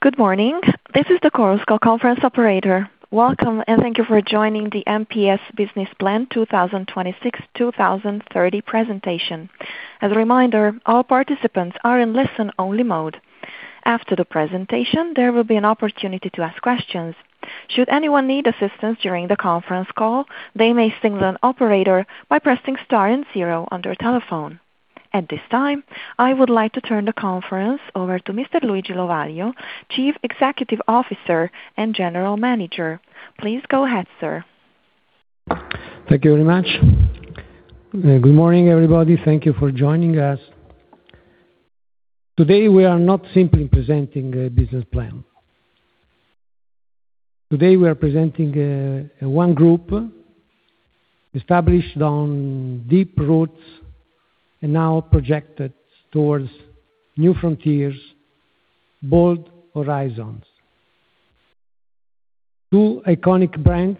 Good morning. This is the Chorus Call Conference operator. Welcome, and thank you for joining the MPS Business Plan 2026, 2030 Presentation. As a reminder, all participants are in listen-only mode. After the presentation, there will be an opportunity to ask questions. Should anyone need assistance during the conference call, they may signal an operator by pressing star and zero on their telephone. At this time, I would like to turn the conference over to Mr. Luigi Lovaglio, Chief Executive Officer and General Manager. Please go ahead, sir. Thank you very much. Good morning, everybody. Thank you for joining us. Today, we are not simply presenting a business plan. Today, we are presenting one group established on deep roots and now projected towards new frontiers, bold horizons. Two iconic brands,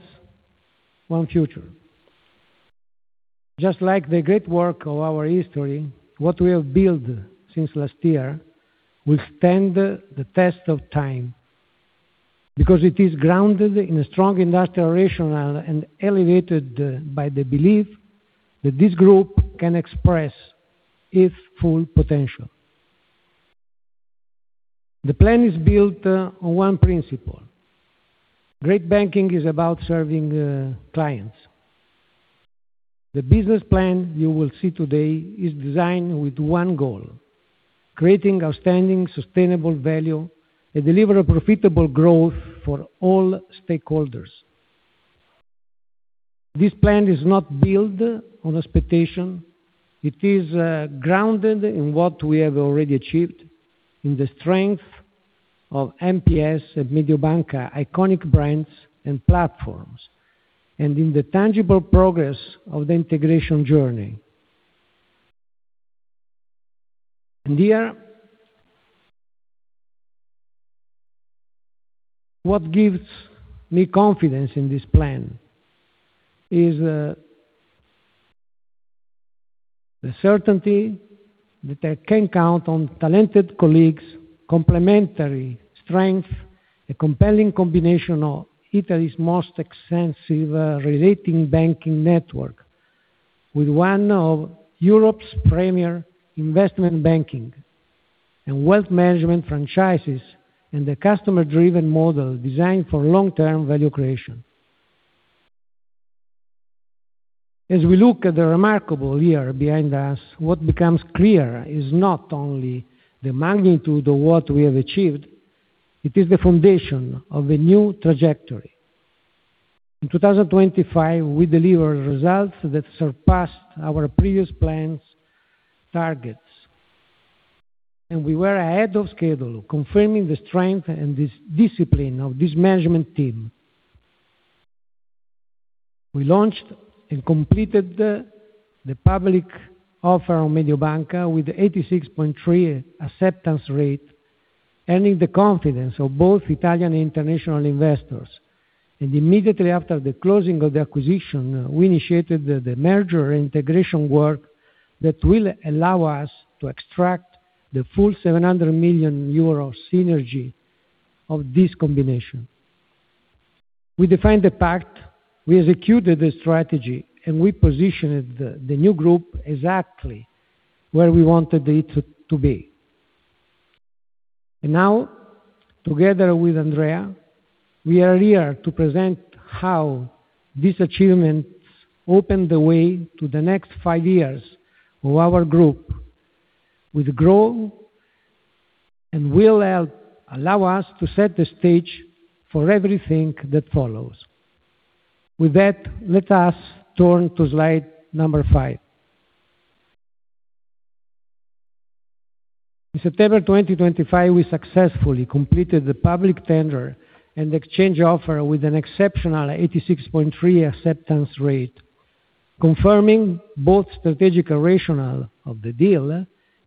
one future. Just like the great work of our history, what we have built since last year will stand the test of time, because it is grounded in a strong industrial rationale and elevated by the belief that this group can express its full potential. The plan is built on one principle: great banking is about serving clients. The business plan you will see today is designed with one goal: creating outstanding sustainable value and deliver a profitable growth for all stakeholders. This plan is not built on expectation. It is grounded in what we have already achieved, in the strength of MPS and Mediobanca, iconic brands and platforms, and in the tangible progress of the integration journey. Here, what gives me confidence in this plan is the certainty that I can count on talented colleagues, complementary strength, a compelling combination of Italy's most extensive relating banking network, with one of Europe's premier investment banking and wealth management franchises, and a customer-driven model designed for long-term value creation. As we look at the remarkable year behind us, what becomes clear is not only the magnitude of what we have achieved, it is the foundation of a new trajectory. In 2025, we delivered results that surpassed our previous plan's targets, and we were ahead of schedule, confirming the strength and discipline of this management team. We launched and completed the public offer on Mediobanca with 86.3% acceptance rate, earning the confidence of both Italian and international investors. Immediately after the closing of the acquisition, we initiated the merger and integration work that will allow us to extract the full 700 million euro synergy of this combination. We defined the pact, we executed the strategy, and we positioned the new group exactly where we wanted it to be. Now, together with Andrea, we are here to present how this achievement opened the way to the next five years of our group, with growth and will help allow us to set the stage for everything that follows. With that, let us turn to Slide 5. In September 2025, we successfully completed the public tender and exchange offer with an exceptional 86.3% acceptance rate, confirming both strategic rationale of the deal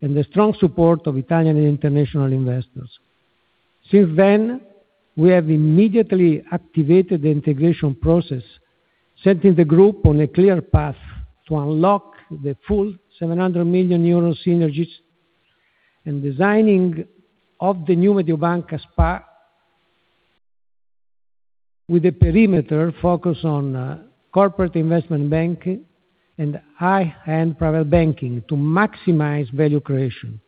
and the strong support of Italian and international investors. Since then, we have immediately activated the integration process, setting the group on a clear path to unlock the full 700 million euro synergies and designing of the new Mediobanca S.p.A. with a perimeter focus on corporate investment banking and high-end private banking to maximize value creation.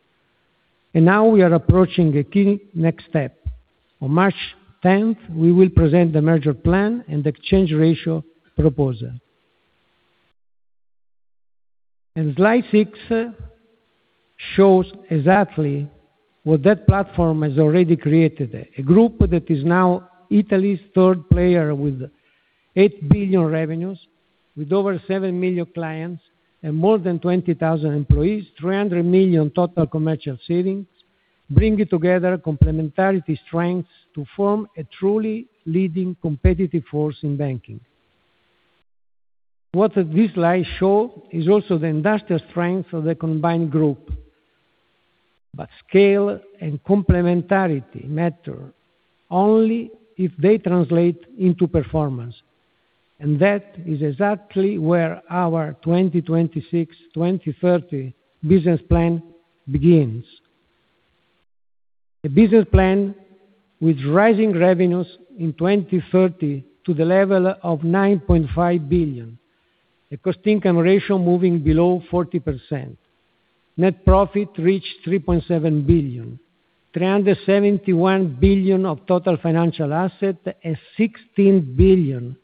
Now we are approaching a key next step. On March 10th, we will present the merger plan and the exchange ratio proposal. Slide 6 shows exactly what that platform has already created, a group that is now Italy's third player with 8 billion revenues, with over 7 million clients and more than 20,000 employees, 300 million total commercial savings, bringing together complementarity strengths to form a truly leading competitive force in banking. What does this slide show is also the industrial strength of the combined group. Scale and complementarity matter only if they translate into performance. That is exactly where our 2026, 2030 business plan begins. A business plan with rising revenues in 2030 to the level of 9.5 billion, a cost-income ratio moving below 40%, net profit reach 3.7 billion, 371 billion of total financial asset, and 16 billion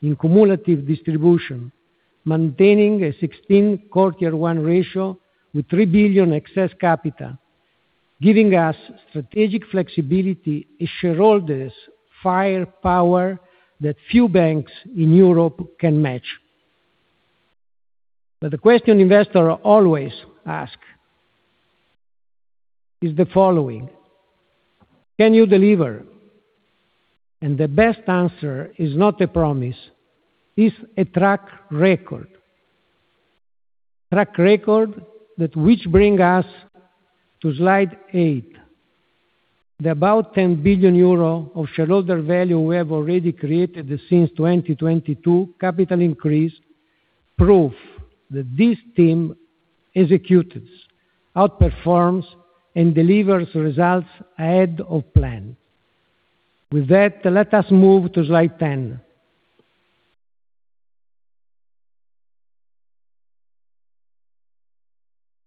in cumulative distribution, maintaining a 16 Core Tier 1 ratio with 3 billion excess capital, giving us strategic flexibility and shareholders firepower that few banks in Europe can match. The question investors always ask is the following: Can you deliver? The best answer is not a promise, it's a track record. Track record that which bring us to Slide 8. The about 10 billion euro of shareholder value we have already created since 2022 capital increase, prove that this team executes, outperforms, and delivers results ahead of plan. With that, let us move to Slide 10.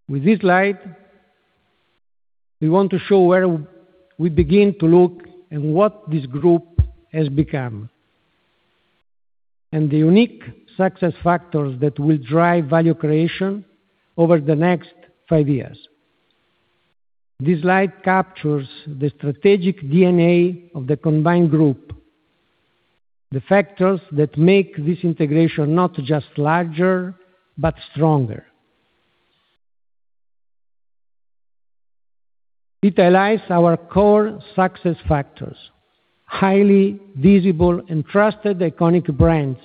With this slide, we want to show where we begin to look at what this group has become, and the unique success factors that will drive value creation over the next five years. This slide captures the strategic DNA of the combined group, the factors that make this integration not just larger, but stronger. It allies our core success factors, highly visible and trusted iconic brands,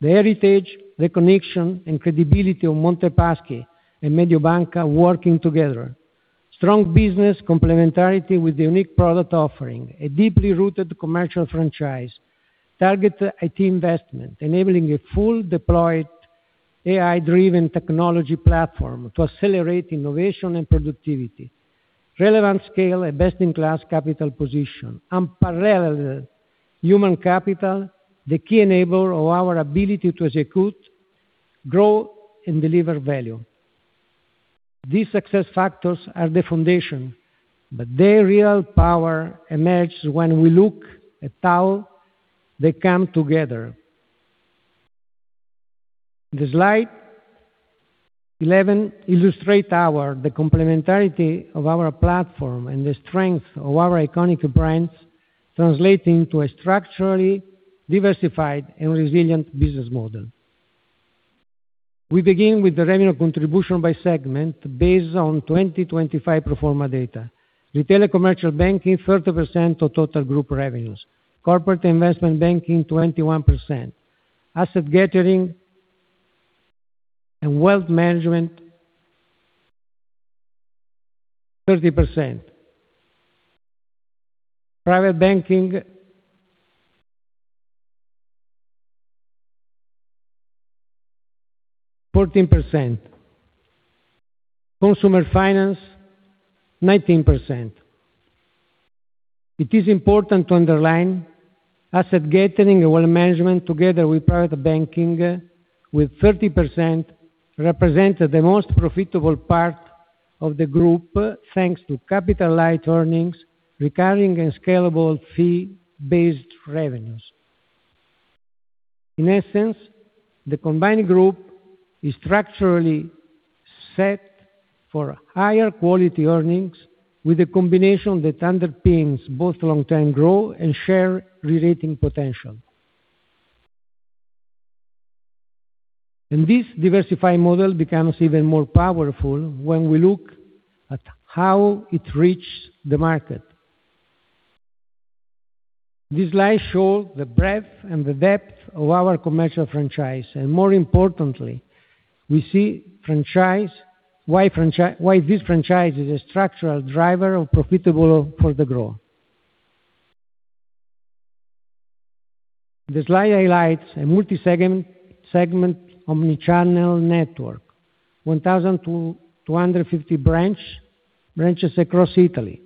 the heritage, the connection, and credibility of Montepaschi and Mediobanca working together. Strong business complementarity with unique product offering, a deeply rooted commercial franchise, target IT investment, enabling a full deployed AI-driven technology platform to accelerate innovation and productivity, relevant scale and best-in-class capital position, unparalleled human capital, the key enabler of our ability to execute, grow, and deliver value. These success factors are the foundation, but their real power emerges when we look at how they come together. The Slide 11 illustrate our, the complementarity of our platform and the strength of our iconic brands, translating to a structurally diversified and resilient business model. We begin with the revenue contribution by segment based on 2025 pro forma data. Retail and commercial banking, 30% of total group revenues, corporate investment banking, 21%, asset gathering and wealth management, 30%, private banking, 14%, consumer finance, 19%. It is important to underline asset gathering and wealth management, together with private banking, with 30%, represent the most profitable part of the group, thanks to capital light earnings, recurring and scalable fee-based revenues. In essence, the combined group is structurally set for higher quality earnings with a combination that underpins both long-term growth and share relating potential. This diversified model becomes even more powerful when we look at how it reaches the market. This slide shows the breadth and the depth of our commercial franchise, and more importantly, we see why this franchise is a structural driver of profitable for the growth. The slide highlights a multi-segment omni-channel network. 1,250 branches across Italy.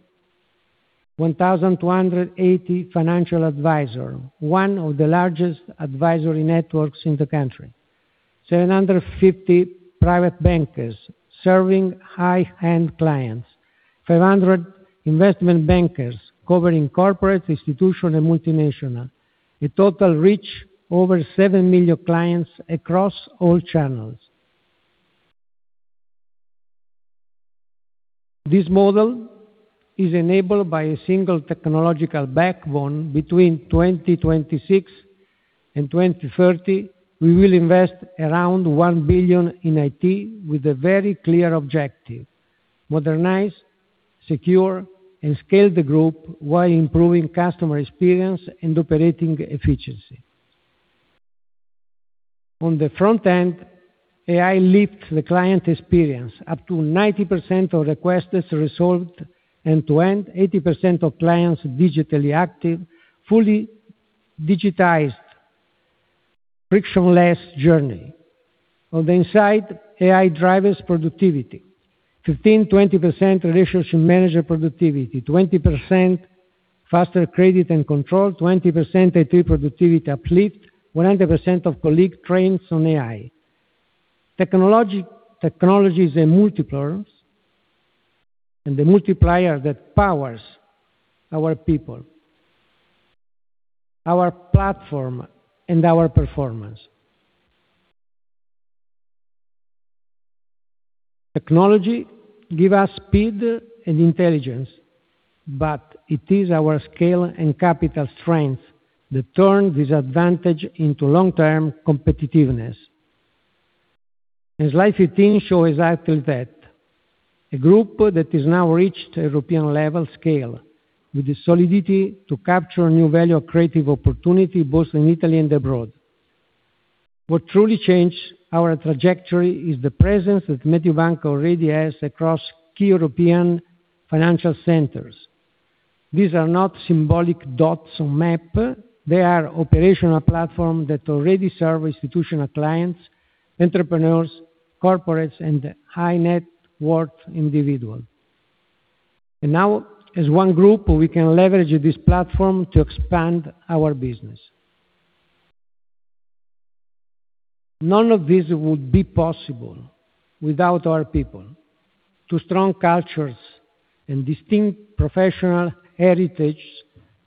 1,280 financial advisor, one of the largest advisory networks in the country. 750 private bankers serving high-end clients. 500 investment bankers covering corporate, institutional, and multinational. A total reach over 7 million clients across all channels. This model is enabled by a single technological backbone. Between 2026 and 2030, we will invest around 1 billion in IT with a very clear objective: modernize, secure, and scale the group while improving customer experience and operating efficiency. On the front end, AI lift the client experience up to 90% of requests is resolved, end-to-end, 80% of clients digitally active, fully digitized, frictionless journey. On the inside, AI drivers productivity, 15%-20% relationship manager productivity, 20% faster credit and control, 20% IT productivity uplift, 100% of colleague trains on AI. Technology is a multiples, The multiplier that powers our people, our platform, and our performance. Technology give us speed and intelligence, It is our scale and capital strength that turn this advantage into long-term competitiveness. Slide 15 shows exactly that. A group that is now reached European level scale, with the solidity to capture new value or creative opportunity, both in Italy and abroad. What truly changed our trajectory is the presence that Mediobanca already has across key European financial centers. These are not symbolic dots on map, they are operational platform that already serve institutional clients, entrepreneurs, corporates, and high net worth individual. Now, as one group, we can leverage this platform to expand our business. None of this would be possible without our people. Two strong cultures and distinct professional heritage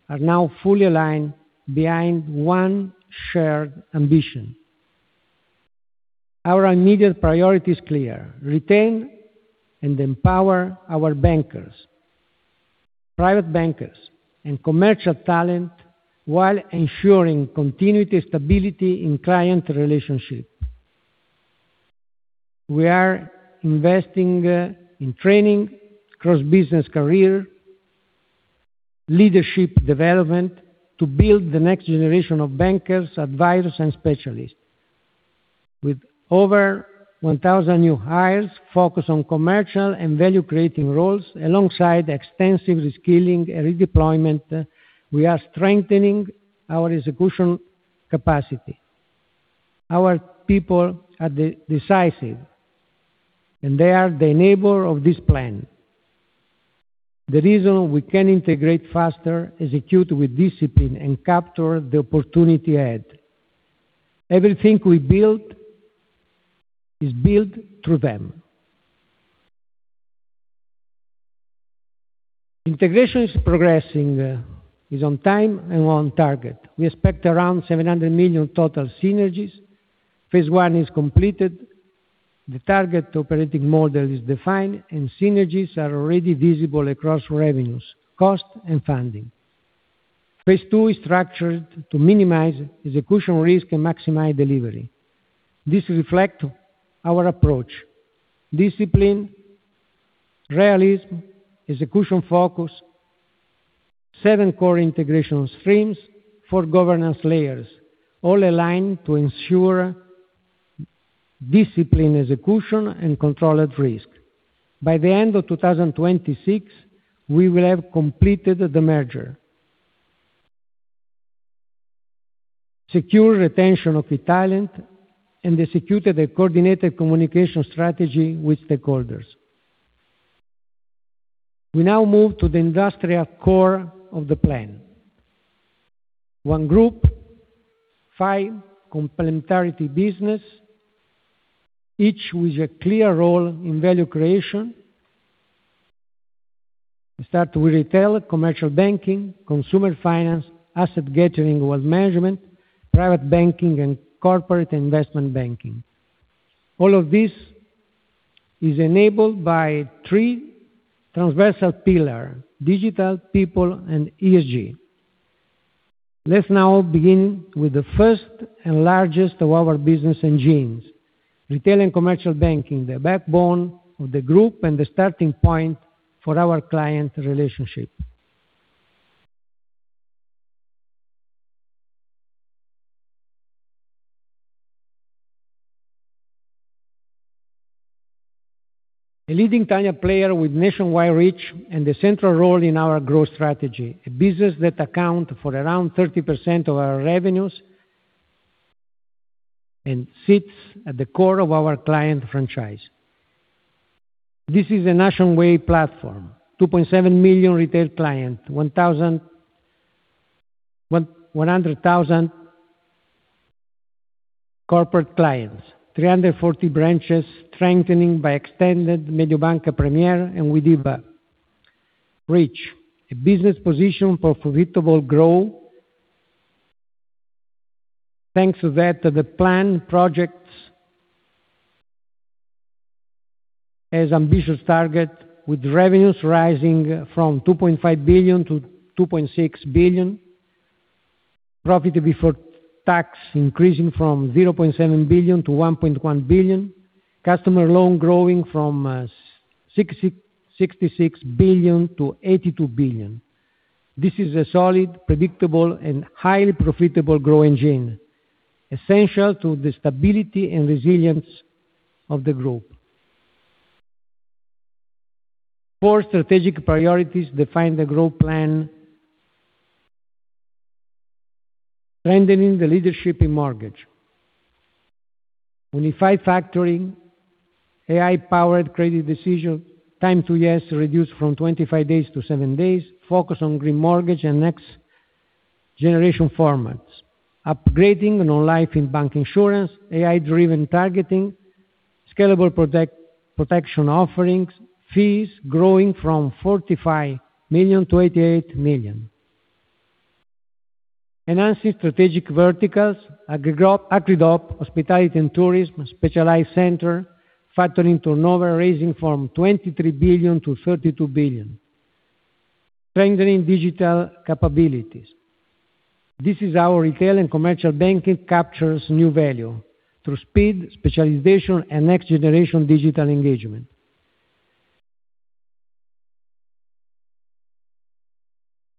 are now fully aligned behind one shared ambition. Our immediate priority is clear: retain and empower our bankers, private bankers, and commercial talent, while ensuring continuity, stability in client relationship. We are investing in training, cross-business career, leadership development to build the next generation of bankers, advisors, and specialists. With over 1,000 new hires focused on commercial and value-creating roles, alongside extensive reskilling and redeployment, we are strengthening our execution capacity. Our people are decisive, and they are the enabler of this plan. The reason we can integrate faster, execute with discipline, and capture the opportunity ahead. Everything we build is built through them. Integration is progressing, is on time, and on target. We expect around 700 million total synergies. Phase one is completed, the target operating model is defined, and synergies are already visible across revenues, cost, and funding. Phase two is structured to minimize execution risk and maximize delivery. This reflect our approach: discipline, realism, execution focus, seven core integration streams, four governance layers, all aligned to ensure discipline, execution, and controlled risk. By the end of 2026, we will have completed the merger, secure retention of talent, and executed a coordinated communication strategy with stakeholders. We now move to the industrial core of the plan. One group, five complementarity business, each with a clear role in value creation. We start with retail, commercial banking, consumer finance, asset gathering, wealth management, private banking, and corporate investment banking. All of this is enabled by three transversal pillar: digital, people, and ESG. Let's now begin with the first and largest of our business engines, retail and commercial banking, the backbone of the group and the starting point for our client relationship. A leading Italian player with nationwide reach and a central role in our growth strategy, a business that account for around 30% of our revenues and sits at the core of our client franchise. This is a national way platform, 2.7 million retail client, 1,100,000 corporate clients, 340 branches, strengthening by extended Mediobanca Premier, and with DiAloga reach. A business position for profitable growth. Thanks to that, the plan projects has ambitious target, with revenues rising from 2.5 billion-2.6 billion, profit before tax increasing from 0.7 billion-1.1 billion, customer loan growing from 66 billion-82 billion. This is a solid, predictable, and highly profitable growth engine, essential to the stability and resilience of the group. Four strategic priorities define the growth plan: strengthening the leadership in mortgage. Unified factoring, AI-powered credit decision, time to yes, reduced from 25 days to seven days, focus on green mortgage and next generation formats, upgrading non-life in bank insurance, AI-driven targeting, scalable protection offerings, fees growing from 45 million-88 million. Enhancing strategic verticals, MPS Agridop, hospitality and tourism, specialized center, factoring turnover, raising from 23 billion-32 billion. Strengthening digital capabilities. This is how retail and commercial banking captures new value, through speed, specialization, and next-generation digital engagement.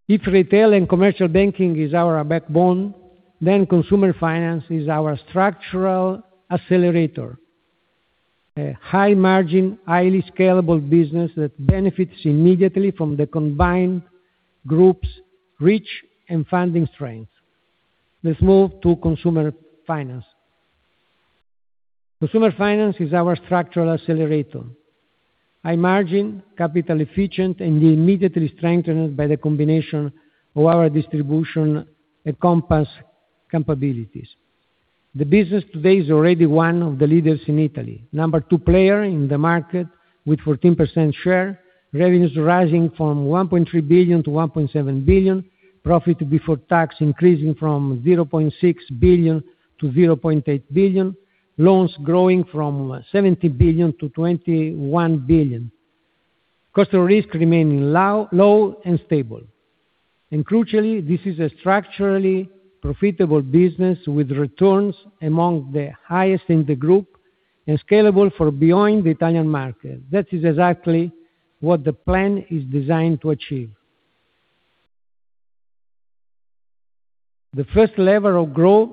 If retail and commercial banking is our backbone, then consumer finance is our structural accelerator. A high margin, highly scalable business that benefits immediately from the combined group's reach and funding strength. Let's move to consumer finance. Consumer finance is our structural accelerator. High margin, capital efficient, and immediately strengthened by the combination of our distribution and Compass capabilities. The business today is already one of the leaders in Italy, number two player in the market with 14% share, revenues rising from 1.3 billion-1.7 billion, profit before tax increasing from 0.6 billion-0.8 billion, loans growing from 70 billion-21 billion. Customer risk remaining low and stable. Crucially, this is a structurally profitable business with returns among the highest in the group, and scalable for beyond the Italian market. That is exactly what the plan is designed to achieve. The first level of growth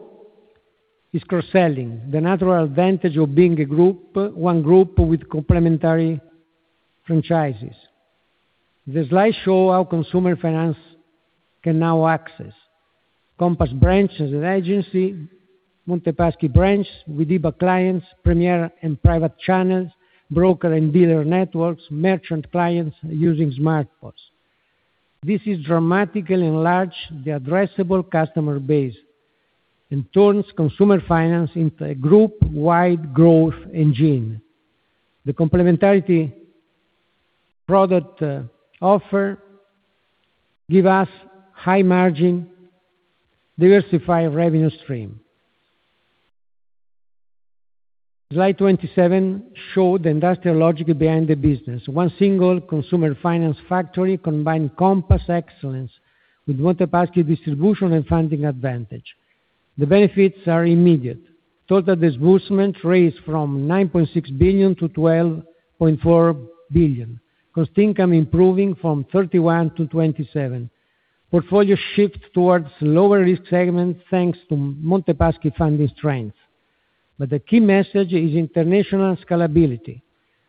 is cross-selling, the natural advantage of being a group, one group with complementary franchises. The slides show how consumer finance can now access Compass branches and agency, Montepaschi branch with DiAloga clients, premier and private channels, broker and dealer networks, merchant clients using Nexi SmartPOS. This is dramatically enlarge the addressable customer base and turns consumer finance into a group-wide growth engine. The complementarity product offer give us high margin, diversified revenue stream. Slide 27 show the industrial logic behind the business. One single consumer finance factory combined Compass excellence with Monte Paschi distribution and funding advantage. The benefits are immediate. Total disbursement raised from 9.6 billion-12.4 billion. Cost income improving from 31% to 27%. Portfolio shift towards lower risk segment, thanks to Monte Paschi funding strength. The key message is international scalability.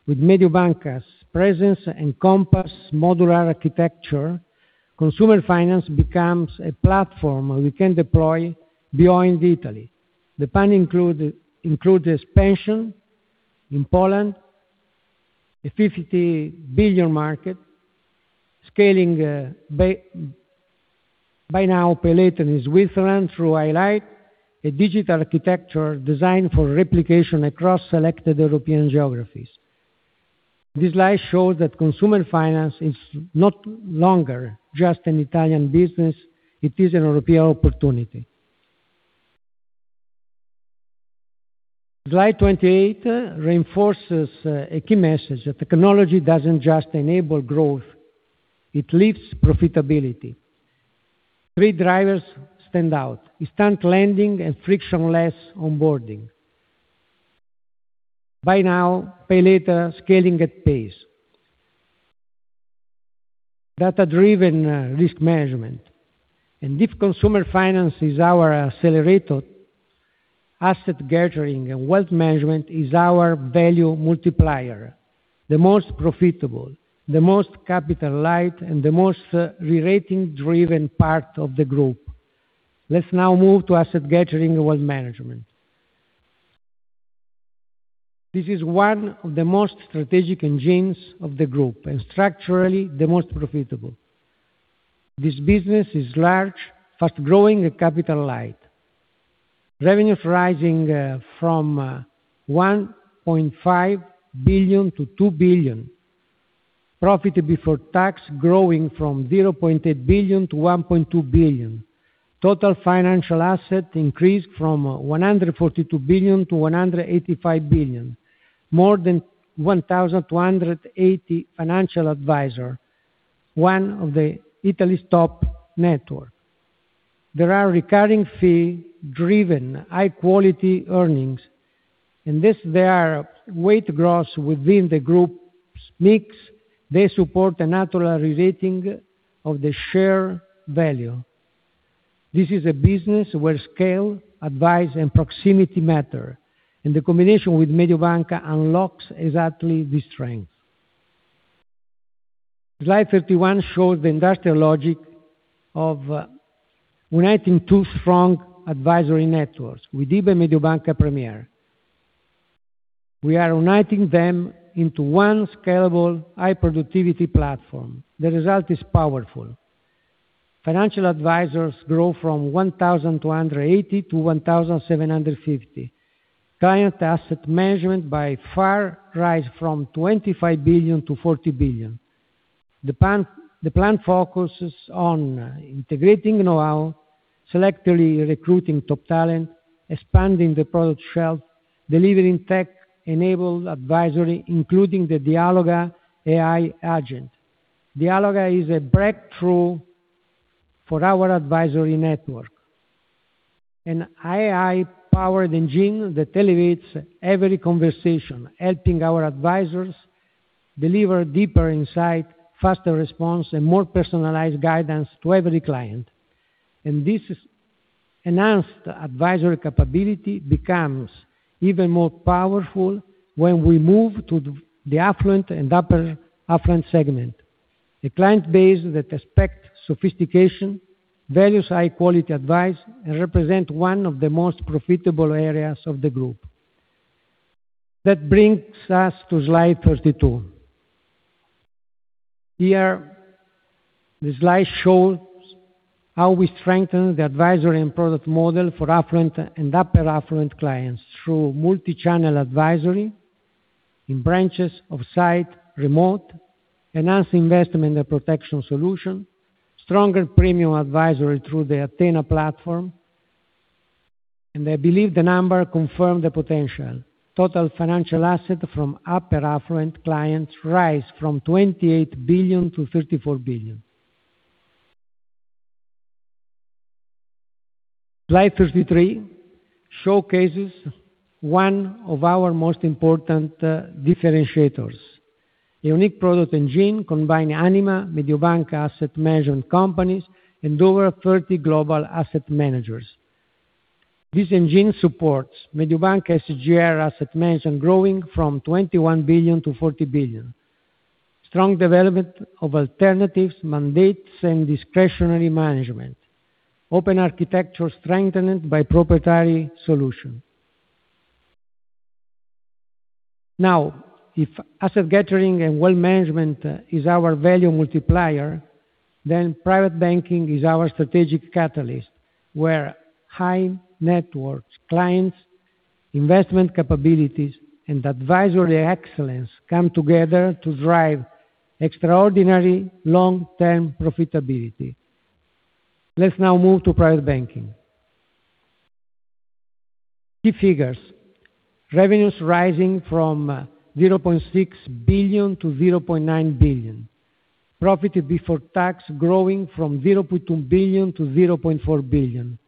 With Mediobanca's presence and Compass modular architecture, consumer finance becomes a platform we can deploy beyond Italy. The plan includes expansion in Poland, a 50 billion market, scaling Buy Now, Pay Later in Switzerland through HeidiPay, a digital architecture designed for replication across selected European geographies. This slide shows that consumer finance is not longer just an Italian business, it is a European opportunity. Slide 28 reinforces a key message, that technology doesn't just enable growth, it lifts profitability. Three drivers stand out: instant lending and frictionless onboarding. Buy Now, Pay Later, scaling at pace. Data-driven risk management. If consumer finance is our accelerator, asset gathering and wealth management is our value multiplier, the most profitable, the most capital light, and the most relating driven part of the group. Let's now move to asset gathering and wealth management. This is one of the most strategic engines of the group, and structurally, the most profitable. This business is large, fast-growing and capital light. Revenues rising from 1.5 billion-2 billion. Profit before tax growing from 0.8 billion-1.2 billion. Total financial asset increased from 142 billion-185 billion. More than 1,280 financial advisor, one of the Italy's top network. There are recurring fee-driven, high-quality earnings, this, they are weight gross within the group's mix. They support a natural relating of the share value. This is a business where scale, advice, and proximity matter, the combination with Mediobanca unlocks exactly this strength. Slide 31 shows the industrial logic of uniting two strong advisory networks with in Mediobanca Premier. We are uniting them into one scalable, high productivity platform. The result is powerful. Financial advisors grow from 1,280-1,750. Client asset management by far rise from 25 billion-40 billion. The plan focuses on integrating know-how, selectively recruiting top talent, expanding the product shelf, delivering tech-enabled advisory, including the DiAloga AI agent. DiAloga is a breakthrough for our advisory network, an AI-powered engine that elevates every conversation, helping our advisors deliver deeper insight, faster response, and more personalized guidance to every client. This enhanced advisory capability becomes even more powerful when we move to the affluent and upper affluent segment. A client base that expects sophistication, values high-quality advice, and represent one of the most profitable areas of the group. That brings us to Slide 32. Here, the slide shows how we strengthen the advisory and product model for affluent and upper affluent clients through multi-channel advisory in branches of site, remote, enhanced investment and protection solution, stronger premium advisory through the Athena platform. I believe the number confirm the potential. Total financial asset from upper affluent clients rise from 28 billion-34 billion. Slide 33 showcases one of our most important differentiators, a unique product engine combining Anima, Mediobanca asset management companies, and over 30 global asset managers. This engine supports Mediobanca SGR asset management growing from 21 billion-40 billion. Strong development of alternatives, mandates, and discretionary management. Open architecture strengthened by proprietary solution. Now, if asset gathering and wealth management is our value multiplier, then private banking is our strategic catalyst, where high net worth clients, investment capabilities, and advisory excellence come together to drive extraordinary long-term profitability. Let's now move to private banking. Key figures: revenues rising from 0.6 billion-0.9 billion. Profit before tax growing from 0.2 billion-0.4 billion.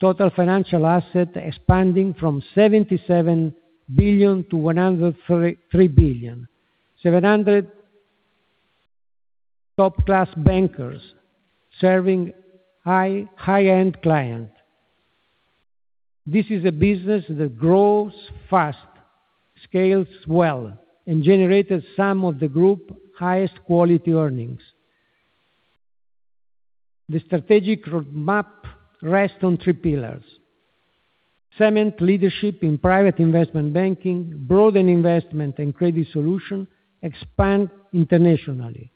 Total financial asset expanding from 77 billion-103.3 billion. 700 top-class bankers serving high-end client. This is a business that grows fast, scales well, and generated some of the group highest quality earnings. The strategic roadmap rests on Three pillars: cement leadership in private investment banking, broaden investment and credit solution, expand internationally.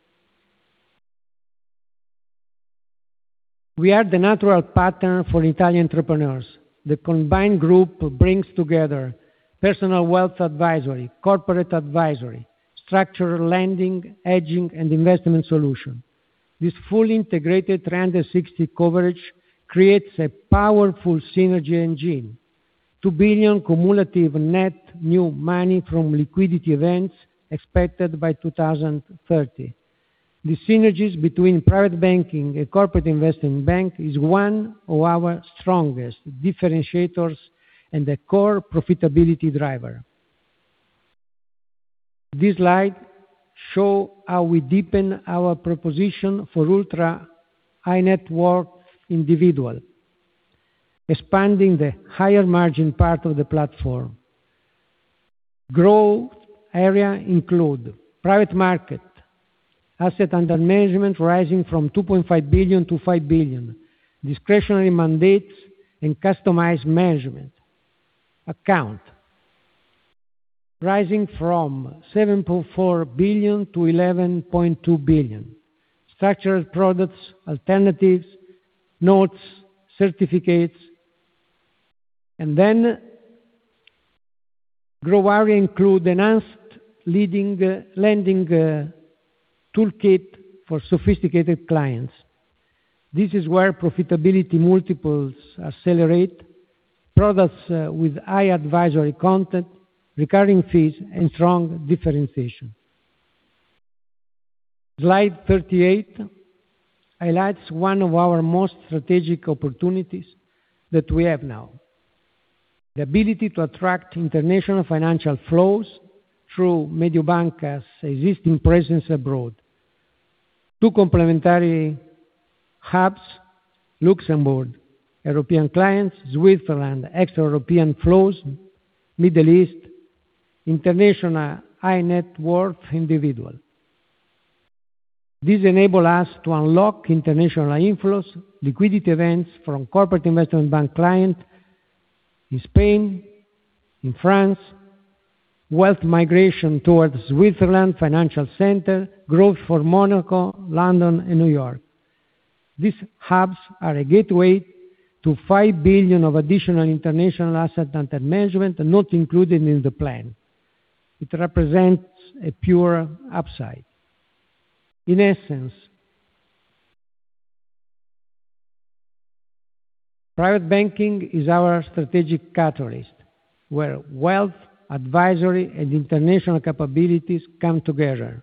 We are the natural partner for Italian entrepreneurs. The combined group brings together personal wealth advisory, corporate advisory, structural lending, hedging, and investment solution. This fully integrated 360 coverage creates a powerful synergy engine. 2 billion cumulative net new money from liquidity events expected by 2030. The synergies between private banking and Corporate Investment Bank is one of our strongest differentiators and a core profitability driver. This slide show how we deepen our proposition for ultra-high net worth individual, expanding the higher margin part of the platform. Growth area include private market, asset under management rising from 2.5 billion-5 billion, discretionary mandates and customized management. Account rising from 7.4 billion-11.2 billion. Structured products, alternatives, notes, certificates, growth area include enhanced lending toolkit for sophisticated clients. This is where profitability multiples accelerate, products with high advisory content, recurring fees, and strong differentiation.... Slide 38 highlights one of our most strategic opportunities that we have now: the ability to attract international financial flows through Mediobanca's existing presence abroad. Two complementary hubs, Luxembourg, European clients, Switzerland, extra European flows, Middle East, international high net worth individual. This enable us to unlock international inflows, liquidity events from Corporate Investment Bank client in Spain, in France, wealth migration towards Switzerland financial center, growth for Monaco, London, and New York. These hubs are a gateway to 5 billion of additional international assets under management, not included in the plan. It represents a pure upside. In essence, private banking is our strategic catalyst, where wealth, advisory, and international capabilities come together,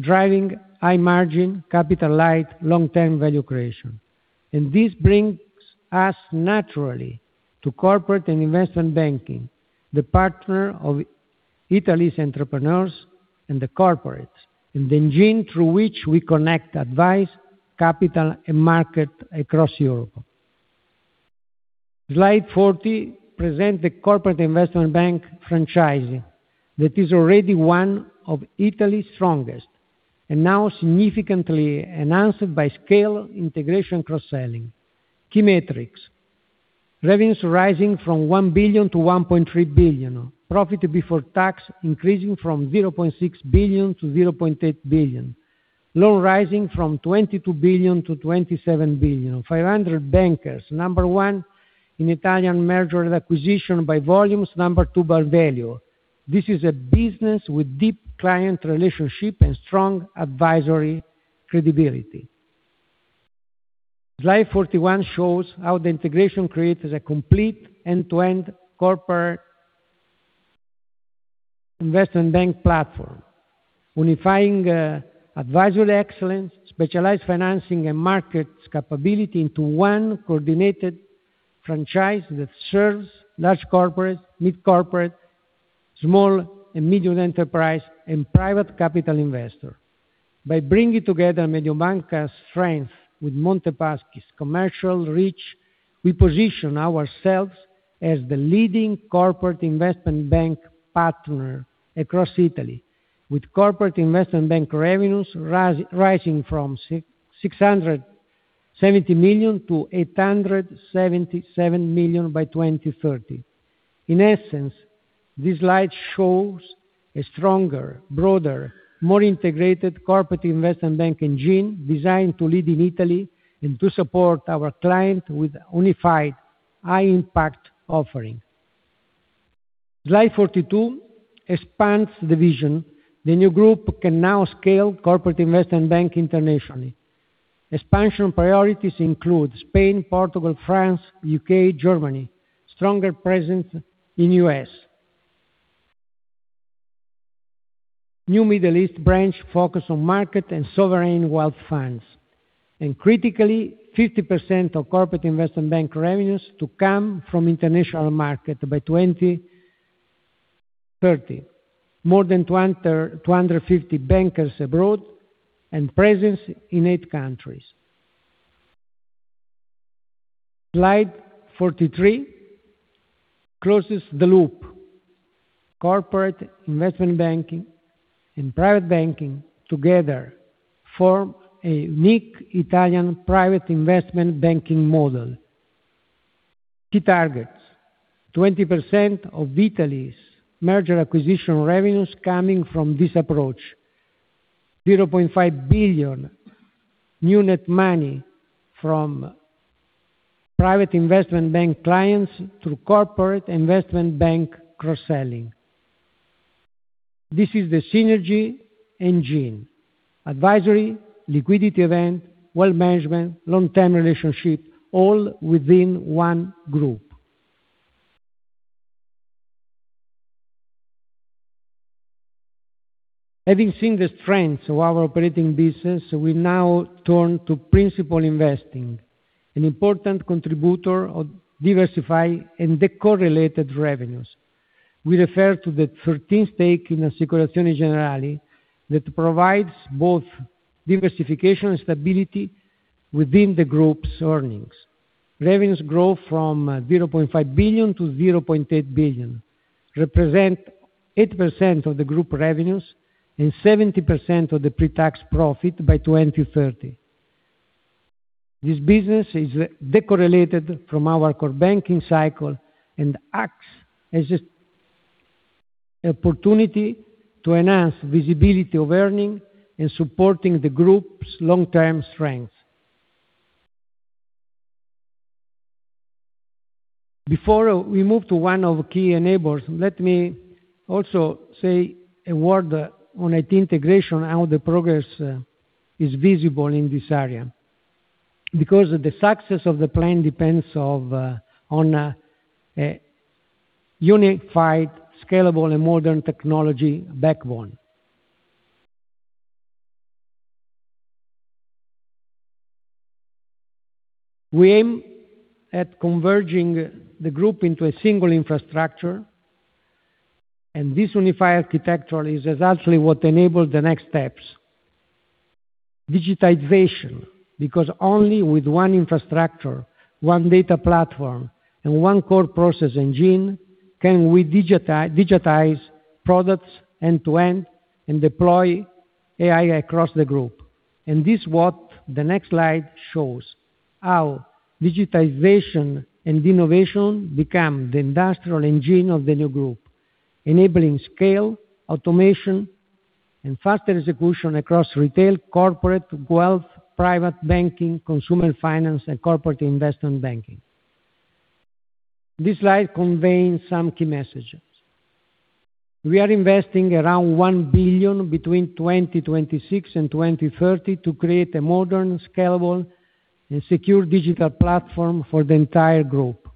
driving high-margin, capital-light, long-term value creation. This brings us naturally to Corporate and Investment Banking, the partner of Italy's entrepreneurs and the corporates, and the engine through which we connect, advise, capital, and market across Europe. Slide 40 present the Corporate Investment Bank franchising, that is already one of Italy's strongest, and now significantly enhanced by scale, integration, cross-selling. Key metrics: revenues rising from 1 billion-1.3 billion, profit before tax increasing from 0.6 billion-0.8 billion, loan rising from 22 billion-27 billion, 500 bankers, number one in Italian merger and acquisition by volumes, number two by value. This is a business with deep client relationship and strong advisory credibility. Slide 41 shows how the integration creates a complete end-to-end corporate investment bank platform, unifying advisory excellence, specialized financing, and markets capability into one coordinated franchise that serves large corporate, mid corporate, small and medium enterprise, and private capital investor. By bringing together Mediobanca's strength with Montepaschi's commercial reach, we position ourselves as the leading corporate investment bank partner across Italy, with corporate investment bank revenues rising from 670 million-877 million by 2030. In essence, this slide shows a stronger, broader, more integrated Corporate Investment Bank engine designed to lead in Italy and to support our client with unified high impact offering. Slide 42 expands the vision. The new group can now scale Corporate Investment Bank internationally. Expansion priorities include Spain, Portugal, France, U.K., Germany, stronger presence in U.S. New Middle East branch focus on market and sovereign wealth funds, and critically, 50% of Corporate Investment Bank revenues to come from international market by 2030. More than 250 bankers abroad and presence in 8 countries. Slide 43 closes the loop. Corporate Investment Banking and Private Banking together form a unique Italian Private Investment Banking model. Key targets: 20% of Italy's merger acquisition revenues coming from this approach, 0.5 billion new net money from Private Investment Bank clients through Corporate Investment Bank cross-selling. This is the synergy engine, advisory, liquidity event, wealth management, long-term relationship, all within one group. Having seen the strengths of our operating business, we now turn to principal investing, an important contributor of diversified and decorrelated revenues. We refer to the 13% stake in Assicurazioni Generali, that provides both diversification and stability within the group's earnings. Revenues grow from 0.5 billion-0.8 billion, represent 8% of the group revenues and 70% of the pre-tax profit by 2030. This business is decorrelated from our core banking cycle and acts as an opportunity to enhance visibility of earning and supporting the group's long-term strength. Before we move to one of the key enablers, let me also say a word on IT integration, how the progress is visible in this area. Because the success of the plan depends on a unified, scalable, and modern technology backbone. We aim at converging the group into a single infrastructure, and this unified architecture is exactly what enabled the next steps. Digitization, because only with one infrastructure, one data platform, and one core process engine, can we digitize products end-to-end and deploy AI across the group. And this is what the next slide shows, how digitization and innovation become the industrial engine of the new group, enabling scale, automation, and faster execution across retail, corporate, wealth, private banking, consumer finance, and corporate investment banking. This slide conveys some key messages. We are investing around 1 billion between 2026 and 2030 to create a modern, scalable, and secure digital platform for the entire group.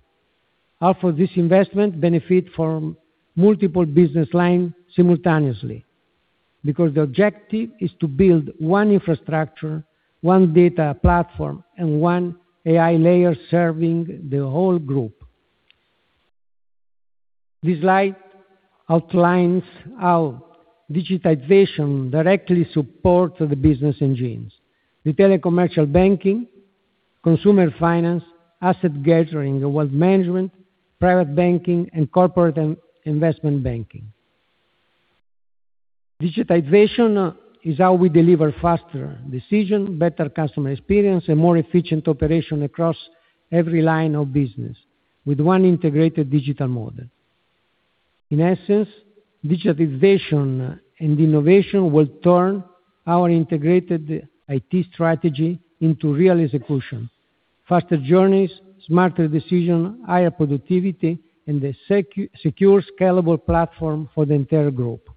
Half of this investment benefit from multiple business lines simultaneously, because the objective is to build one infrastructure, one data platform, and one AI layer serving the whole group. This slide outlines how digitization directly supports the business engines: retail and commercial banking, consumer finance, asset gathering, wealth management, private banking, and corporate and investment banking. Digitization is how we deliver faster decision, better customer experience, and more efficient operation across every line of business with one integrated digital model. In essence, digitization and innovation will turn our integrated IT strategy into real execution, faster journeys, smarter decision, higher productivity, and a secure, scalable platform for the entire group.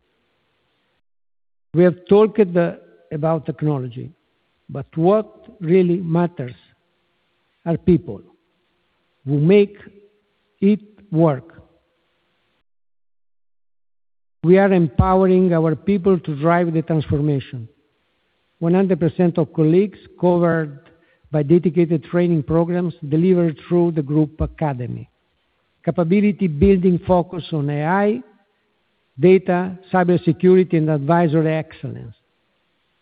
We have talked about technology, but what really matters are people who make it work. We are empowering our people to drive the transformation. 100% of colleagues covered by dedicated training programs delivered through the group academy. Capability building focus on AI, data, cybersecurity, and advisory excellence,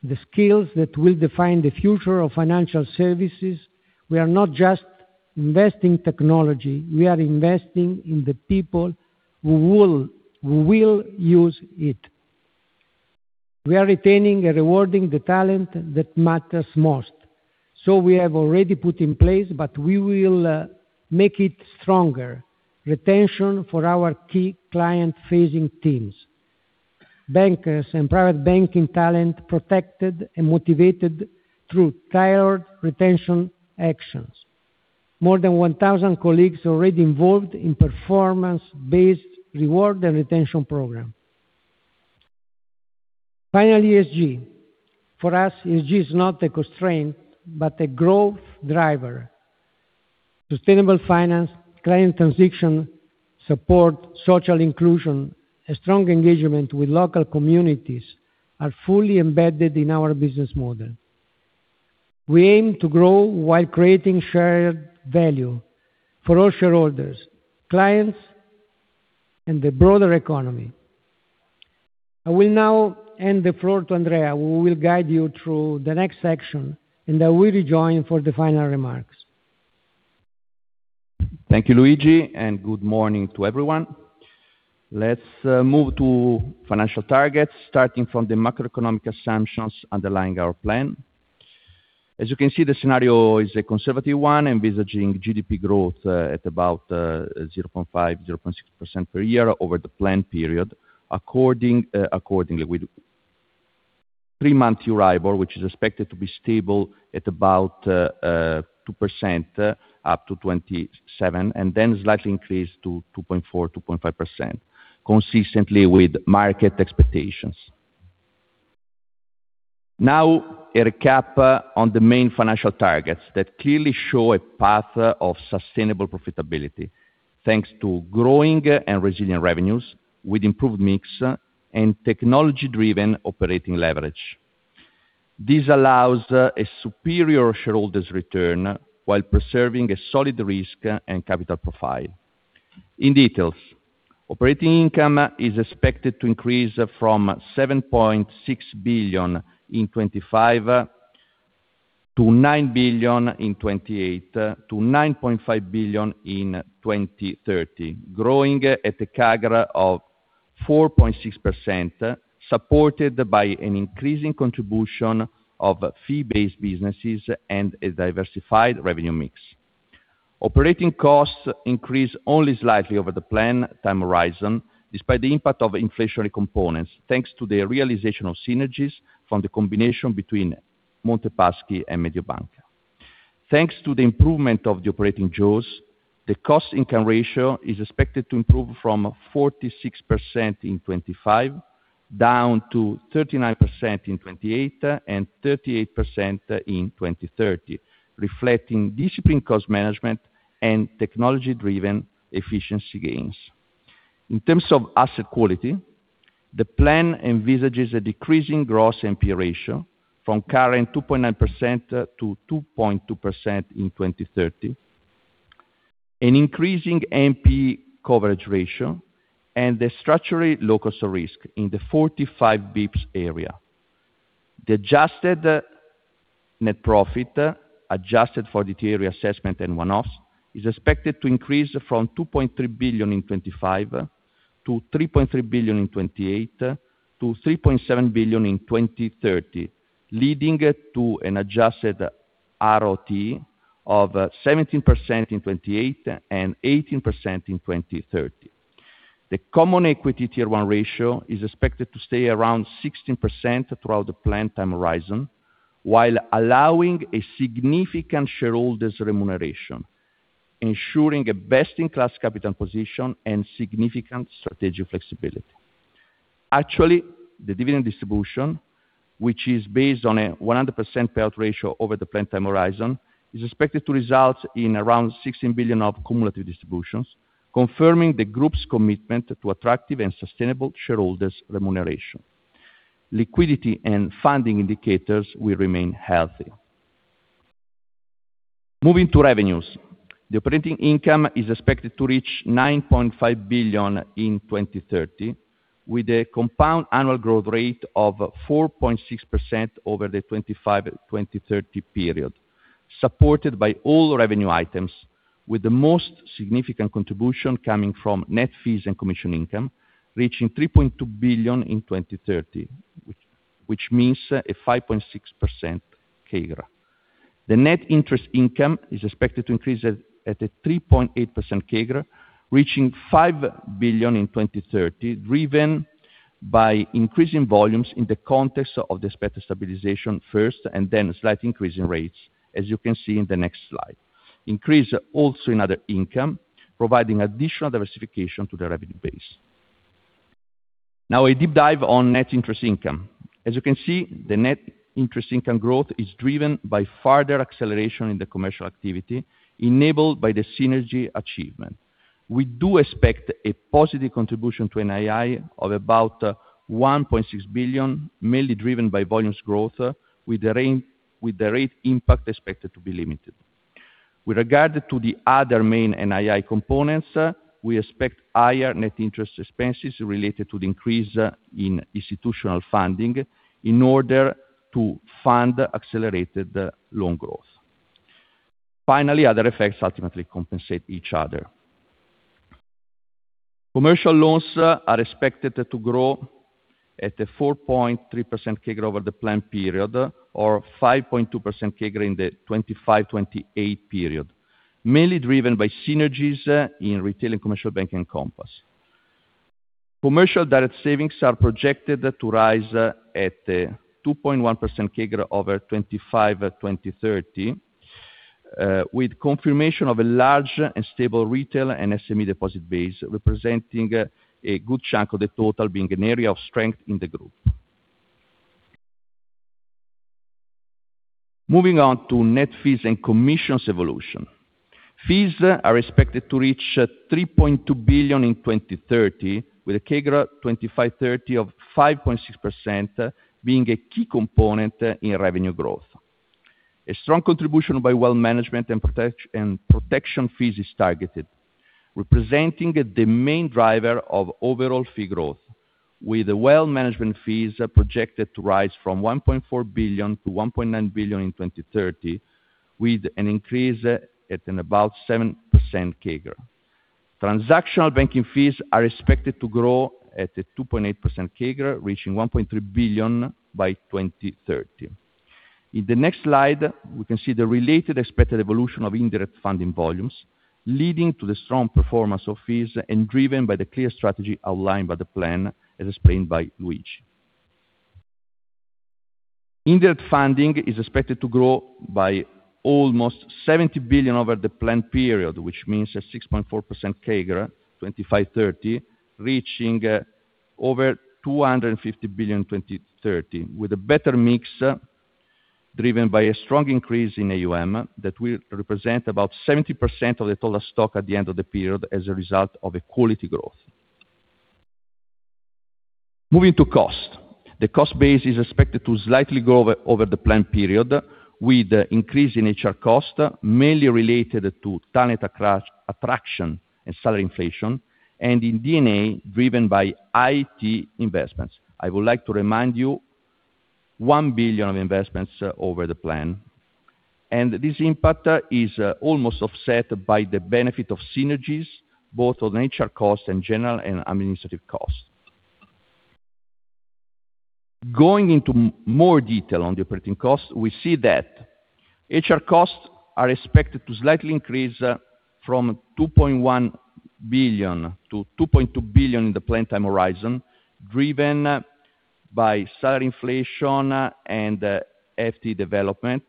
the skills that will define the future of financial services. We are not just investing technology, we are investing in the people who will use it. We are retaining and rewarding the talent that matters most, so we have already put in place, but we will make it stronger. Retention for our key client-facing teams. Bankers and private banking talent protected and motivated through tiered retention actions. More than 1,000 colleagues already involved in performance-based reward and retention program. Finally, ESG. For us, ESG is not a constraint, but a growth driver. Sustainable finance, client transition support, social inclusion, and strong engagement with local communities are fully embedded in our business model. We aim to grow while creating shared value for all shareholders, clients, and the broader economy. I will now hand the floor to Andrea, who will guide you through the next section, and I will rejoin for the final remarks. Thank you, Luigi. Good morning to everyone. Let's move to financial targets, starting from the macroeconomic assumptions underlying our plan. As you can see, the scenario is a conservative one, envisaging GDP growth at about 0.5%-0.6% per year over the plan period, accordingly with three-month Euribor, which is expected to be stable at about 2% up to 2027, and then slightly increased to 2.4%-2.5%, consistently with market expectations. A recap on the main financial targets that clearly show a path of sustainable profitability, thanks to growing and resilient revenues with improved mix and technology-driven operating leverage. This allows a superior shareholders return while preserving a solid risk and capital profile. In details, operating income is expected to increase from 7.6 billion in 2025, to 9 billion in 2028, to 9.5 billion in 2030, growing at a CAGR of 4.6%, supported by an increasing contribution of fee-based businesses and a diversified revenue mix. Operating costs increase only slightly over the plan time horizon, despite the impact of inflationary components, thanks to the realization of synergies from the combination between Montepaschi and Mediobanca. The cost-income ratio is expected to improve from 46% in 2025, down to 39% in 2028, and 38% in 2030, reflecting disciplined cost management and technology-driven efficiency gains. In terms of asset quality, the plan envisages a decreasing gross NPE ratio from current 2.9%-2.2% in 2030, an increasing NPE coverage ratio, and a structurally low cost of risk in the 45 basis points area. The adjusted net profit, adjusted for the area assessment and one-offs, is expected to increase from 2.3 billion in 2025, to 3.3 billion in 2028, to 3.7 billion in 2030, leading to an adjusted ROTE of 17% in 2028, and 18% in 2030. The Common Equity Tier 1 ratio is expected to stay around 16% throughout the plan time horizon, while allowing a significant shareholders remuneration, ensuring a best-in-class capital position and significant strategic flexibility. Actually, the dividend distribution, which is based on a 100% payout ratio over the plan time horizon, is expected to result in around 16 billion of cumulative distributions, confirming the group's commitment to attractive and sustainable shareholders remuneration. Liquidity and funding indicators will remain healthy. Moving to revenues. The operating income is expected to reach 9.5 billion in 2030, with a compound annual growth rate of 4.6% over the 2025-2030 period, supported by all revenue items, with the most significant contribution coming from net fees and commission income, reaching 3.2 billion in 2030, which means a 5.6% CAGR. The net interest income is expected to increase at a 3.8% CAGR, reaching 5 billion in 2030, driven by increasing volumes in the context of the expected stabilization first, and then a slight increase in rates, as you can see in the next slide. Increase also in other income, providing additional diversification to the revenue base. Now, a deep dive on net interest income. As you can see, the net interest income growth is driven by further acceleration in the commercial activity, enabled by the synergy achievement. We do expect a positive contribution to NII of about 1.6 billion, mainly driven by volumes growth, with the rate impact expected to be limited. With regard to the other main NII components, we expect higher net interest expenses related to the increase in institutional funding in order to fund accelerated loan growth. Finally, other effects ultimately compensate each other. Commercial loans are expected to grow at a 4.3% CAGR over the plan period, or 5.2% CAGR in the 2025-2028 period, mainly driven by synergies in retail and commercial banking Compass. Commercial direct savings are projected to rise at a 2.1% CAGR over 2025-2030, with confirmation of a large and stable retail and SME deposit base, representing a good chunk of the total, being an area of strength in the group. Moving on to net fees and commissions evolution. Fees are expected to reach 3.2 billion in 2030, with a CAGR 2025-2030 of 5.6%, being a key component in revenue growth. A strong contribution by wealth management and protection fees is targeted, representing the main driver of overall fee growth, with the wealth management fees are projected to rise from 1.4 billion-1.9 billion in 2030, with an increase at an about 7% CAGR. Transactional banking fees are expected to grow at a 2.8% CAGR, reaching 1.3 billion by 2030. In the next slide, we can see the related expected evolution of indirect funding volumes, leading to the strong performance of fees and driven by the clear strategy outlined by the plan, as explained by Luigi. Indirect funding is expected to grow by almost 70 billion over the plan period, which means a 6.4% CAGR, 2025-2030, reaching over 250 billion in 2030, with a better mix, driven by a strong increase in AUM, that will represent about 70% of the total stock at the end of the period as a result of a quality growth. Moving to cost. The cost base is expected to slightly grow over the plan period, with an increase in HR cost, mainly related to talent attraction and salary inflation, and in D&A, driven by IT investments. I would like to remind you, 1 billion of investments over the plan. This impact is almost offset by the benefit of synergies, both on HR costs and general and administrative costs. Going into more detail on the operating costs, we see that HR costs are expected to slightly increase from 2.1 billion-2.2 billion in the plan time horizon, driven by salary inflation and FD development,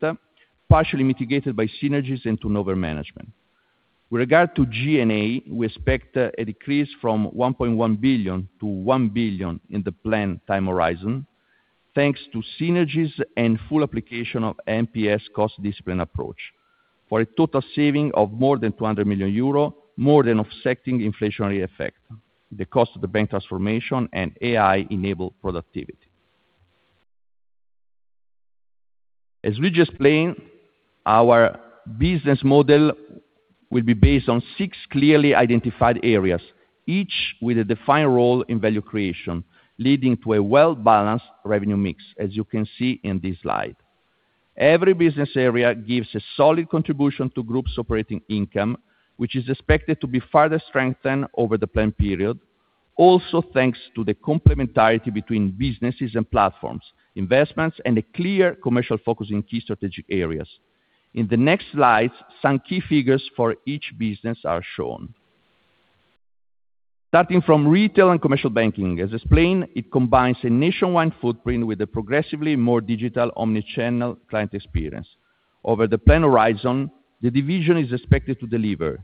partially mitigated by synergies and de novo management. With regard to G&A, we expect a decrease from 1.1 billion-1 billion in the planned time horizon, thanks to synergies and full application of MPS cost discipline approach, for a total saving of more than 200 million euro, more than offsetting the inflationary effect, the cost of the bank transformation, and AI-enabled productivity. As we just explained, our business model will be based on six clearly identified areas, each with a defined role in value creation, leading to a well-balanced revenue mix, as you can see in this slide. Every business area gives a solid contribution to group's operating income, which is expected to be further strengthened over the planned period. Thanks to the complementarity between businesses and platforms, investments, and a clear commercial focus in key strategic areas. In the next slides, some key figures for each business are shown. Starting from retail and commercial banking, as explained, it combines a nationwide footprint with a progressively more digital omni-channel client experience. Over the planned horizon, the division is expected to deliver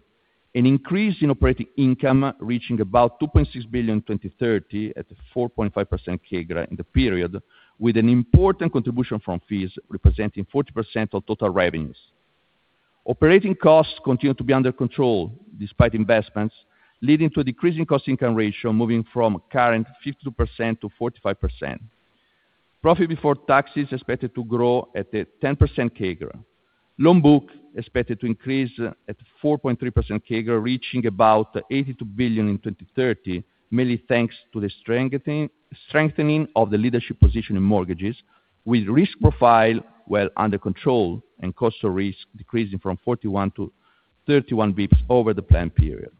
an increase in operating income, reaching about 2.6 billion in 2030 at a 4.5% CAGR in the period, with an important contribution from fees, representing 40% of total revenues. Operating costs continue to be under control despite investments, leading to a decrease in cost-income ratio, moving from current 52% to 45%. Profit before tax is expected to grow at a 10% CAGR. Loan book expected to increase at 4.3% CAGR, reaching about 82 billion in 2030, mainly thanks to the strengthening of the leadership position in mortgages, with risk profile well under control and cost of risk decreasing from 41-31 basis points over the planned period.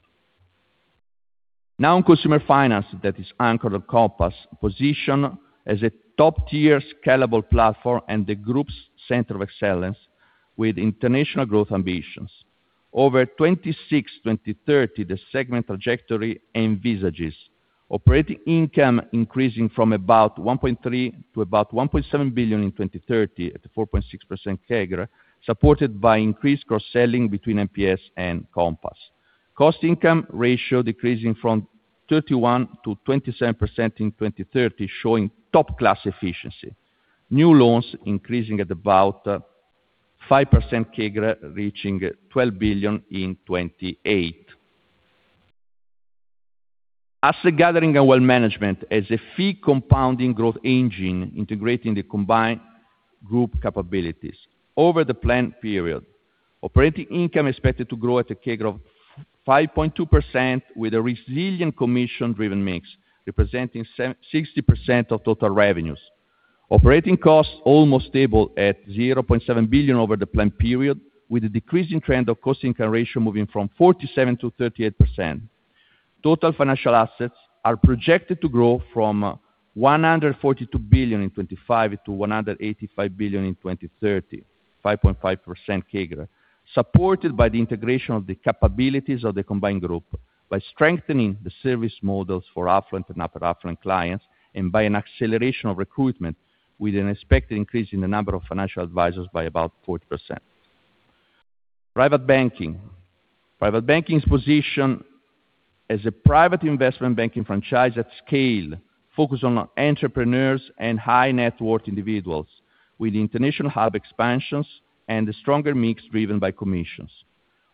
In consumer finance, that is anchored on Compass, position as a top-tier scalable platform and the group's center of excellence with international growth ambitions. Over 2026-2030, the segment trajectory envisages operating income increasing from about 1.3 billion to about 1.7 billion in 2030 at a 4.6% CAGR, supported by increased cross-selling between MPS and Compass. Cost-income ratio decreasing from 31%-27% in 2030, showing top-class efficiency. New loans increasing at about 5% CAGR, reaching 12 billion in 2028. Asset gathering and wealth management as a fee compounding growth engine, integrating the combined group capabilities. Over the planned period, operating income expected to grow at a CAGR of 5.2%, with a resilient commission-driven mix, representing 60% of total revenues. Operating costs almost stable at 0.7 billion over the planned period, with a decreasing trend of cost-income ratio moving from 47%-38%. Total financial assets are projected to grow from 142 billion in 2025-EUR 185 billion in 2030, 5.5% CAGR, supported by the integration of the capabilities of the combined group, by strengthening the service models for affluent and upper-affluent clients, and by an acceleration of recruitment, with an expected increase in the number of financial advisors by about 40%. Private banking. Private banking's position as a private investment banking franchise at scale, focused on entrepreneurs and high-net-worth individuals, with international hub expansions and a stronger mix driven by commissions.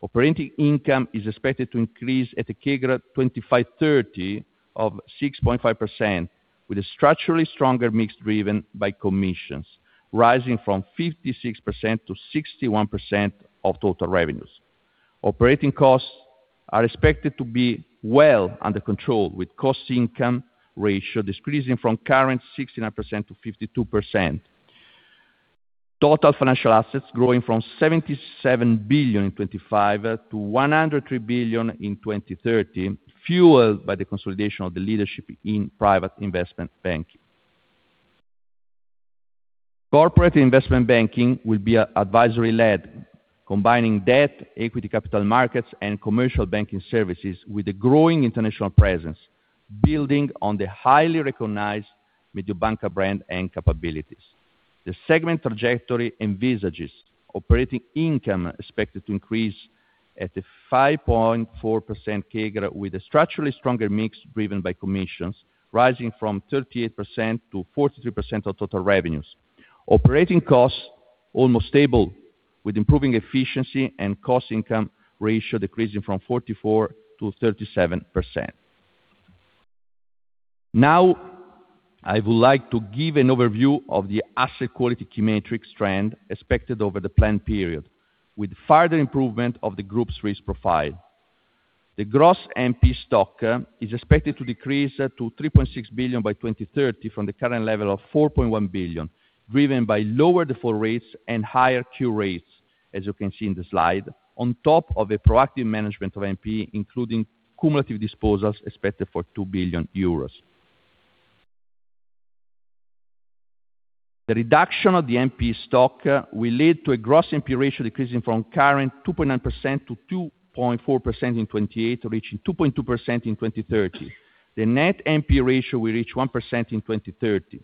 Operating income is expected to increase at a CAGR 2025-2030 of 6.5%, with a structurally stronger mix driven by commissions, rising from 56%-61% of total revenues. Operating costs are expected to be well under control, with cost-income ratio decreasing from current 69% to 52%. Total financial assets growing from 77 billion in 2025-EUR 103 billion in 2030, fueled by the consolidation of the leadership in private investment banking. Corporate Investment Banking will be advisory-led, combining debt, equity capital markets, and commercial banking services with a growing international presence, building on the highly recognized Mediobanca brand and capabilities. The segment trajectory envisages operating income expected to increase at a 5.4% CAGR, with a structurally stronger mix driven by commissions, rising from 38%-43% of total revenues. Operating costs almost stable, with improving efficiency and cost-income ratio decreasing from 44%-37%. I would like to give an overview of the asset quality key metrics trend expected over the planned period, with further improvement of the group's risk profile. The gross NP stock is expected to decrease to 3.6 billion by 2030, from the current level of 4.1 billion, driven by lower default rates and higher cure rates, as you can see in the slide, on top of a proactive management of NP, including cumulative disposals expected for 2 billion euros. The reduction of the NPE stock will lead to a gross NPE ratio decreasing from current 2.9% to 2.4% in 2028, reaching 2.2% in 2030. The net NPE ratio will reach 1% in 2030.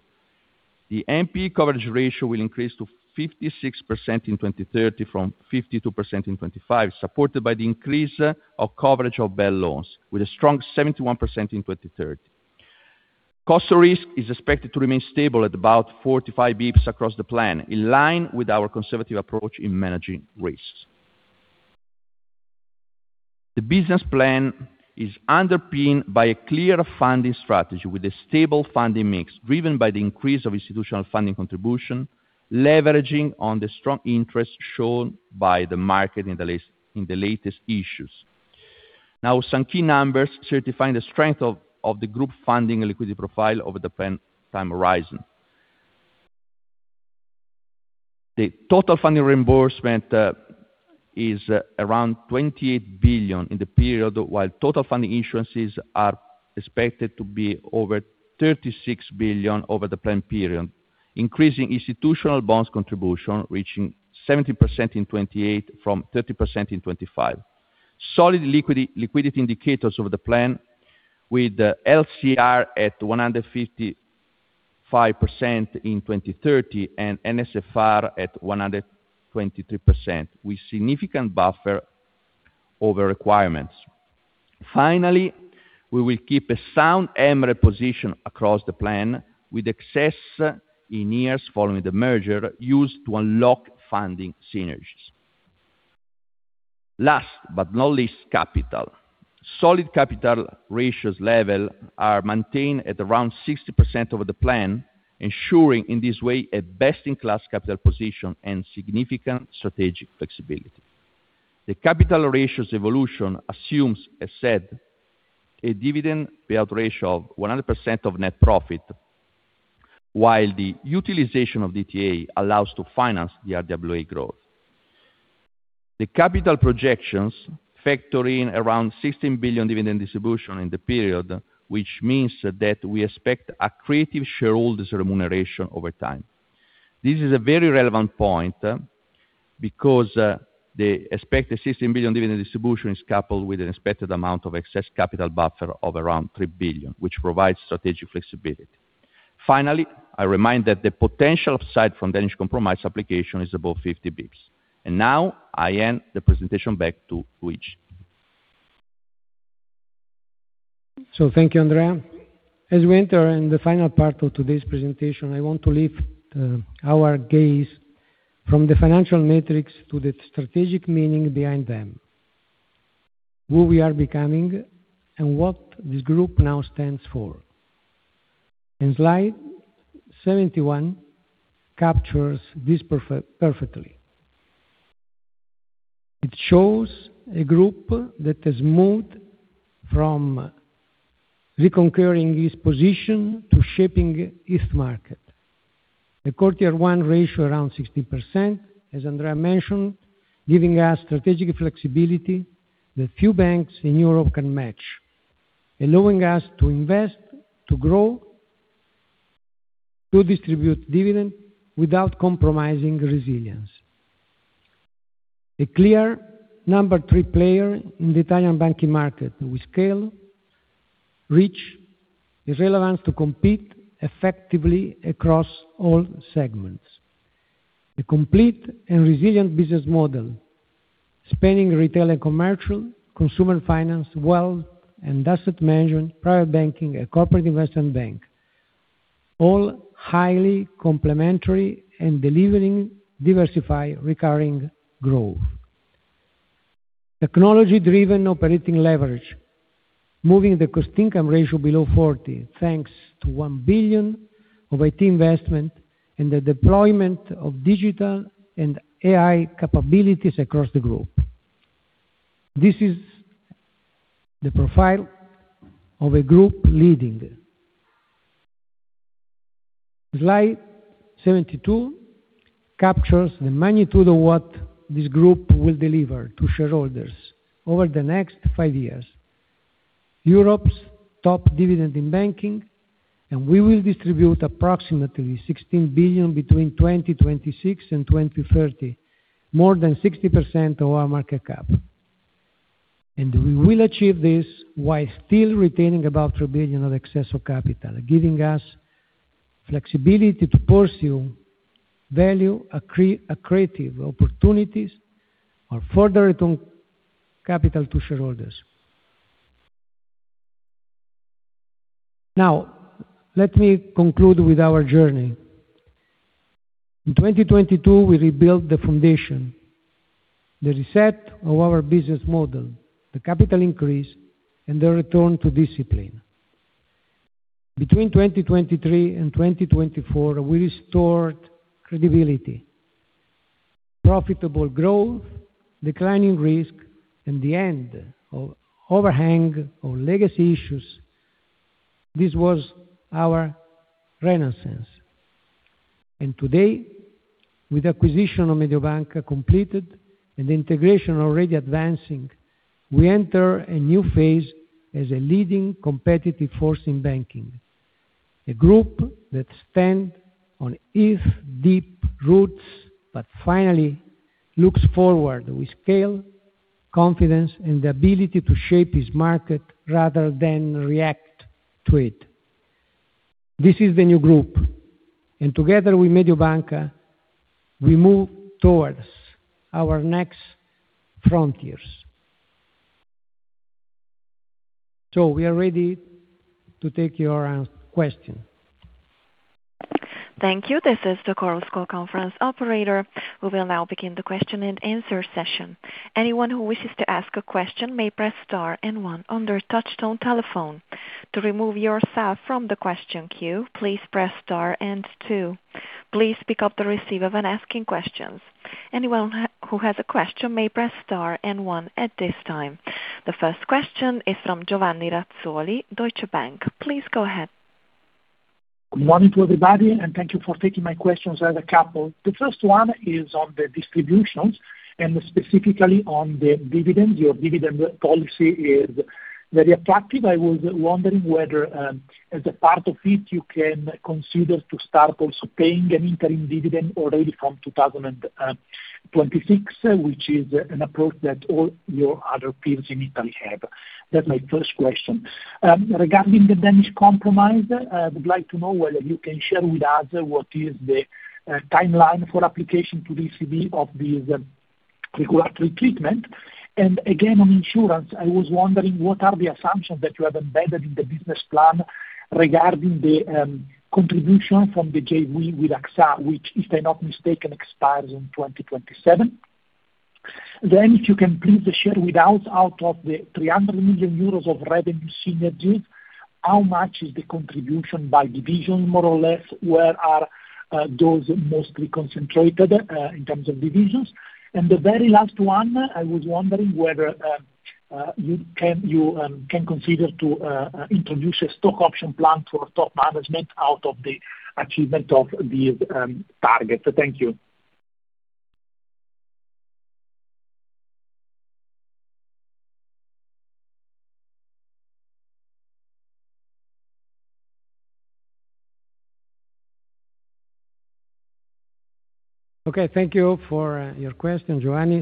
The NPE coverage ratio will increase to 56% in 2030, from 52% in 2025, supported by the increase of coverage of bad loans, with a strong 71% in 2030. Cost of risk is expected to remain stable at about 45 bps across the plan, in line with our conservative approach in managing risks. The business plan is underpinned by a clear funding strategy with a stable funding mix, driven by the increase of institutional funding contribution, leveraging on the strong interest shown by the market in the latest issues. Now, some key numbers certifying the strength of the group funding and liquidity profile over the plan time horizon. The total funding reimbursement is around 28 billion in the period, while total funding insurances are expected to be over 36 billion over the plan period, increasing institutional bonds contribution, reaching 70% in 2028 from 30% in 2025. Solid liquidity indicators over the plan, with LCR at 155% in 2030, and NSFR at 123%, with significant buffer over requirements. Finally, we will keep a sound MREL position across the plan, with excess in years following the merger used to unlock funding synergies. Last but not least, capital. Solid capital ratios level are maintained at around 60% over the plan, ensuring in this way a best-in-class capital position and significant strategic flexibility. The capital ratios evolution assumes, as said, a dividend payout ratio of 100% of net profit, while the utilization of DTA allows to finance the RWA growth. The capital projections factor in around 16 billion dividend distribution in the period, which means that we expect accretive shareholders remuneration over time. This is a very relevant point, because the expected 16 billion dividend distribution is coupled with an expected amount of excess capital buffer of around 3 billion, which provides strategic flexibility. Finally, I remind that the potential upside from Danish Compromise application is above 50 bps. Now I hand the presentation back to Luigi. Thank you, Andrea. As we enter in the final part of today's presentation, I want to lift our gaze from the financial metrics to the strategic meaning behind them, who we are becoming, and what this group now stands for. Slide 71 captures this perfectly. It shows a group that has moved from reconquering its position to shaping its market. A common Tier 1 ratio around 60%, as Andrea mentioned, giving us strategic flexibility that few banks in Europe can match, allowing us to invest, to grow, to distribute dividend without compromising resilience. A clear number three player in the Italian banking market, with scale, reach, the relevance to compete effectively across all segments. A complete and resilient business model, spanning retail and commercial, consumer finance, wealth, and asset management, private banking, and Corporate Investment Bank, all highly complementary and delivering diversified recurring growth. Technology-driven operating leverage, moving the cost-income ratio below 40, thanks to 1 billion of IT investment and the deployment of digital and AI capabilities across the group. This is the profile of a group leading. Slide 72 captures the magnitude of what this group will deliver to shareholders over the next five years. Europe's top dividend in banking, we will distribute approximately 16 billion between 2026 and 2030, more than 60% of our market cap. We will achieve this while still retaining about 3 billion of excess of capital, giving us flexibility to pursue value accretive opportunities or further return capital to shareholders. Now, let me conclude with our journey. In 2022, we rebuilt the foundation, the reset of our business model, the capital increase, and the return to discipline. Between 2023 and 2024, we restored credibility, profitable growth, declining risk, and the end of overhang or legacy issues. This was our renaissance. With acquisition of Mediobanca completed and integration already advancing, we enter a new phase as a leading competitive force in banking. A group that stand on if deep roots, but finally looks forward with scale, confidence, and the ability to shape its market rather than react to it. This is the new group, and together with Mediobanca, we move towards our next frontiers. We are ready to take your question. Thank you. This is the Chorus Call conference operator. We will now begin the question and answer session. Anyone who wishes to ask a question may press star and one on their touchtone telephone. To remove yourself from the question queue, please press star and two. Please pick up the receiver when asking questions. Anyone who has a question may press star and one at this time. The first question is from Giovanni Razzoli, Deutsche Bank. Please go ahead. Good morning to everybody, thank you for taking my questions. I have a couple. The first one is on the distributions and specifically on the dividend. Your dividend policy is very attractive. I was wondering whether, as a part of it, you can consider to start also paying an interim dividend already from 2026, which is an approach that all your other peers in Italy have. That's my first question. Regarding the Danish Compromise, I would like to know whether you can share with us what is the timeline for application to ECB of the regulatory treatment. Again, on insurance, I was wondering, what are the assumptions that you have embedded in the business plan regarding the contribution from the JV with AXA, which, if they're not mistaken, expires in 2027? If you can please share with us, out of the 300 million euros of revenue synergies, how much is the contribution by division, more or less, where are those mostly concentrated in terms of divisions? The very last one, I was wondering whether you can consider to introduce a stock option plan for top management out of the achievement of these targets. Thank you. Thank you for your question, Giovanni.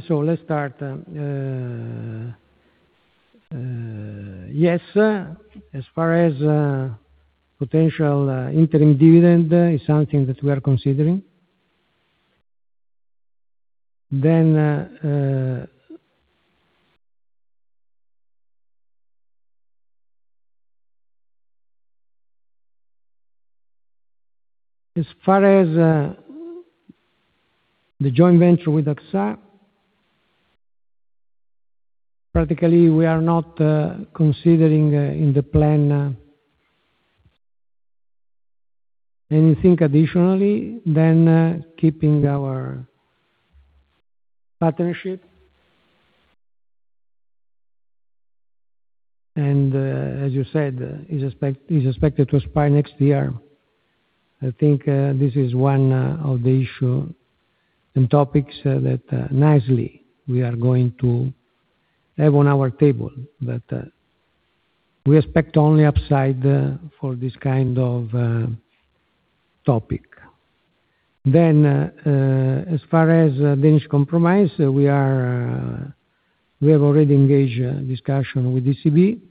As far as potential interim dividend is something that we are considering. As far as the joint venture with AXA, practically, we are not considering in the plan anything additionally than keeping our partnership. As you said, is expected to expire next year. I think this is one of the issue and topics that nicely we are going to have on our table, we expect only upside for this kind of topic. As far as Danish compromise, we are we have already engaged discussion with ECB.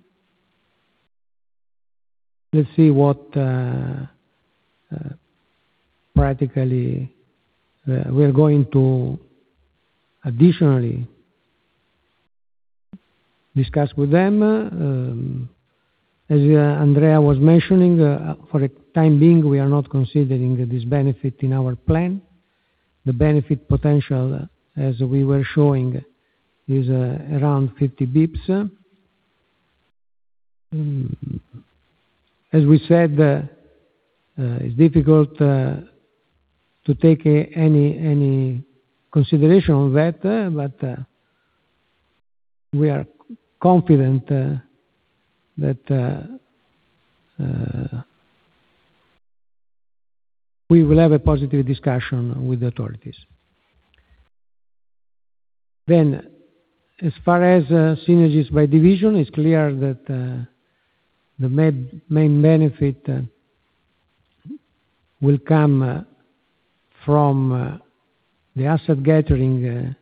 Let's see what practically we are going to additionally discuss with them. As Andrea was mentioning, for the time being, we are not considering this benefit in our plan. The benefit potential, as we were showing, is around 50 bps. As we said, it's difficult to take any consideration on that, but we are confident that we will have a positive discussion with the authorities. As far as synergies by division, it's clear that the main benefit will come from the asset gathering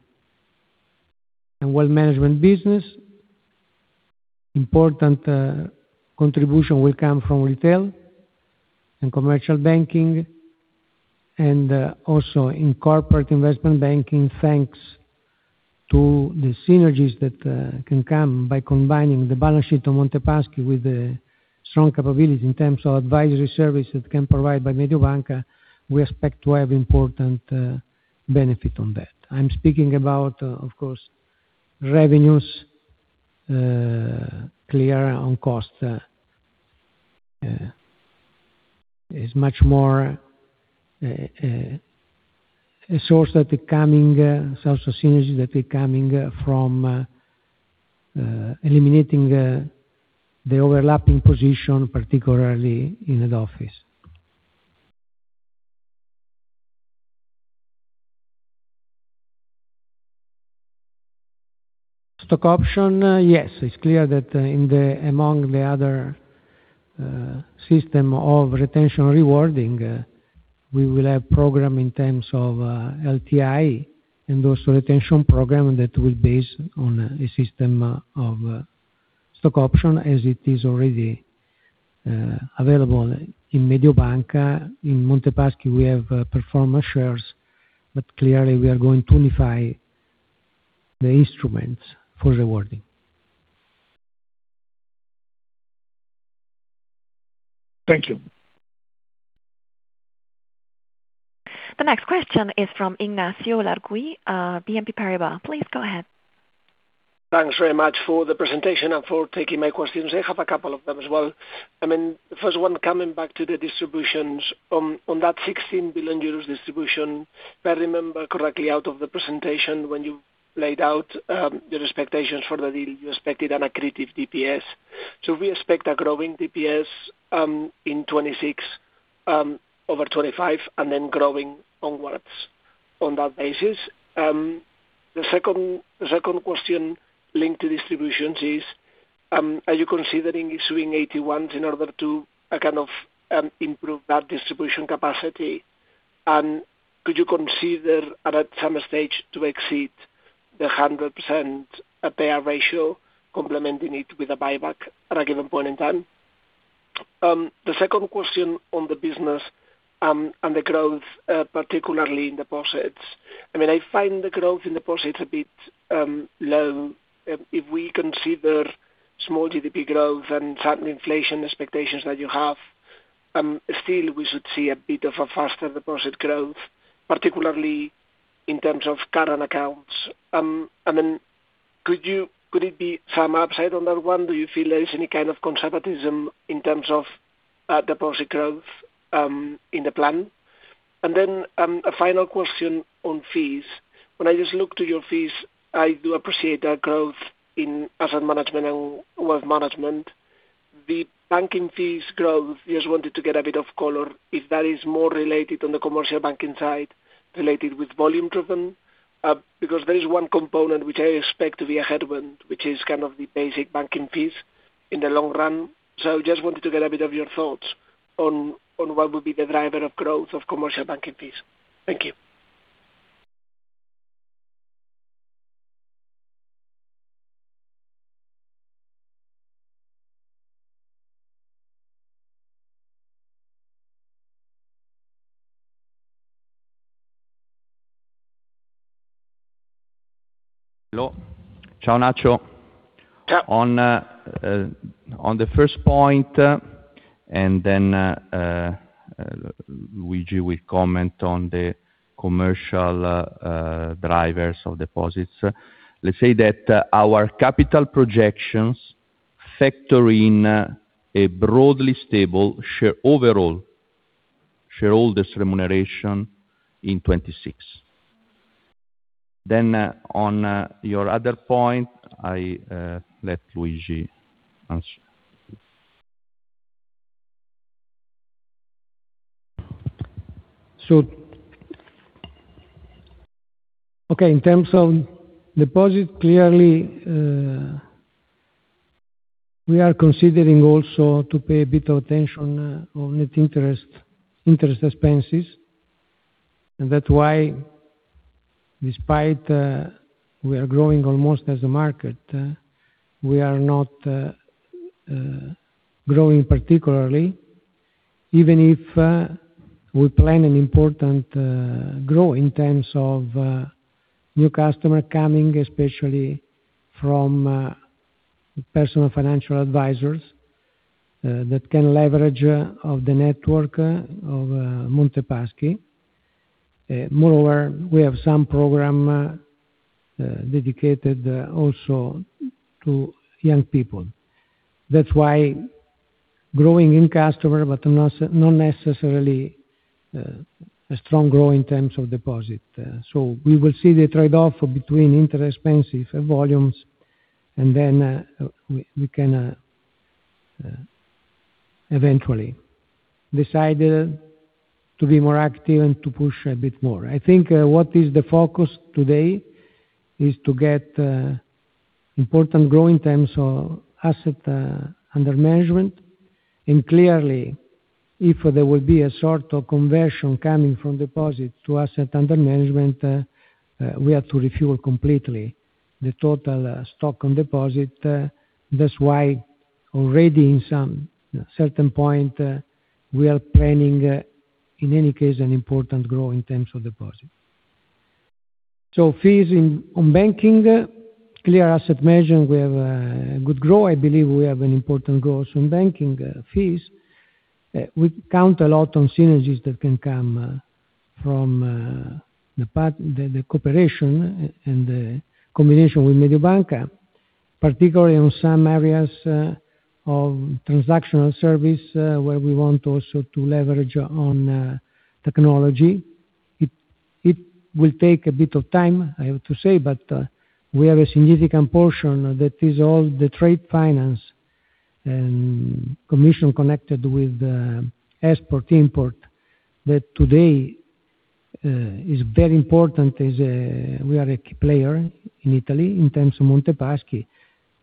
and wealth management business. Important contribution will come from retail and commercial banking, also in corporate investment banking, thanks to the synergies that can come by combining the balance sheet of Montepaschi with the strong capability in terms of advisory service that can provide by Mediobanca, we expect to have important benefit on that. I'm speaking about, of course, revenues, clear on cost. Is much more a source that becoming source of synergies that becoming from eliminating the overlapping position, particularly in head office. Stock option, yes, it's clear that in the, among the other system of retention rewarding, we will have program in terms of LTI and also retention program that will base on a system of stock option as it is already available in Mediobanca. In Montepaschi, we have performance shares, but clearly we are going to unify the instruments for rewarding. Thank you. The next question is from Ignacio Ulargui, BNP Paribas. Please go ahead. Thanks very much for the presentation and for taking my questions. I have a couple of them as well. I mean, the first one, coming back to the distributions. On that 16 billion euros distribution, if I remember correctly out of the presentation, when you laid out your expectations for the deal, you expected an accretive DPS. We expect a growing DPS in 2026 over 2025, and then growing onwards on that basis. The second question linked to distributions is, are you considering issuing AT1s in order to kind of improve that distribution capacity? Could you consider at some stage to exceed the 100% payout ratio, complementing it with a buyback at a given point in time? The second question on the business and the growth, particularly in deposits. I mean, I find the growth in deposits a bit low. If we consider small GDP growth and certain inflation expectations that you have, still, we should see a bit of a faster deposit growth, particularly in terms of current accounts. I mean, could you, could it be some upside on that one? Do you feel there is any kind of conservatism in terms of deposit growth in the plan? Then, a final question on fees. When I just look to your fees, I do appreciate the growth in asset management and wealth management. The banking fees growth, just wanted to get a bit of color, if that is more related on the commercial banking side, related with volume driven, because there is one component which I expect to be a headwind, which is kind of the basic banking fees in the long run. Just wanted to get a bit of your thoughts on what would be the driver of growth of commercial banking fees? Thank you. Hello. Ciao, Nacho. Ciao. On the first point, Luigi will comment on the commercial drivers of deposits. Let's say that, our capital projections factor in, a broadly stable share overall, shareholders remuneration in 2026. On your other point, I let Luigi answer. Okay, in terms of deposit, clearly, we are considering also to pay a bit of attention on net interest expenses. That's why, despite we are growing almost as a market, we are not growing particularly, even if we plan an important growth in terms of new customer coming, especially from personal financial advisors, that can leverage of the network of Montepaschi. Moreover, we have some program dedicated also to young people. That's why growing in customer, but not necessarily a strong growth in terms of deposit. We will see the trade-off between interest expenses and volumes, and then we can eventually decide to be more active and to push a bit more. I think what is the focus today is to get important growth in terms of asset under management. Clearly, if there will be a sort of conversion coming from deposit to asset under management, we have to refuel completely the total stock on deposit. That's why already in some certain point, we are planning in any case, an important growth in terms of deposit. Fees in, on banking, clear asset management, we have good growth. I believe we have an important growth on banking fees. We count a lot on synergies that can come from the cooperation and the combination with Mediobanca, particularly on some areas of transactional service, where we want also to leverage on technology. It will take a bit of time, I have to say. We have a significant portion that is all the trade finance and commission connected with the export, import, that today is very important as we are a key player in Italy in terms of Montepaschi.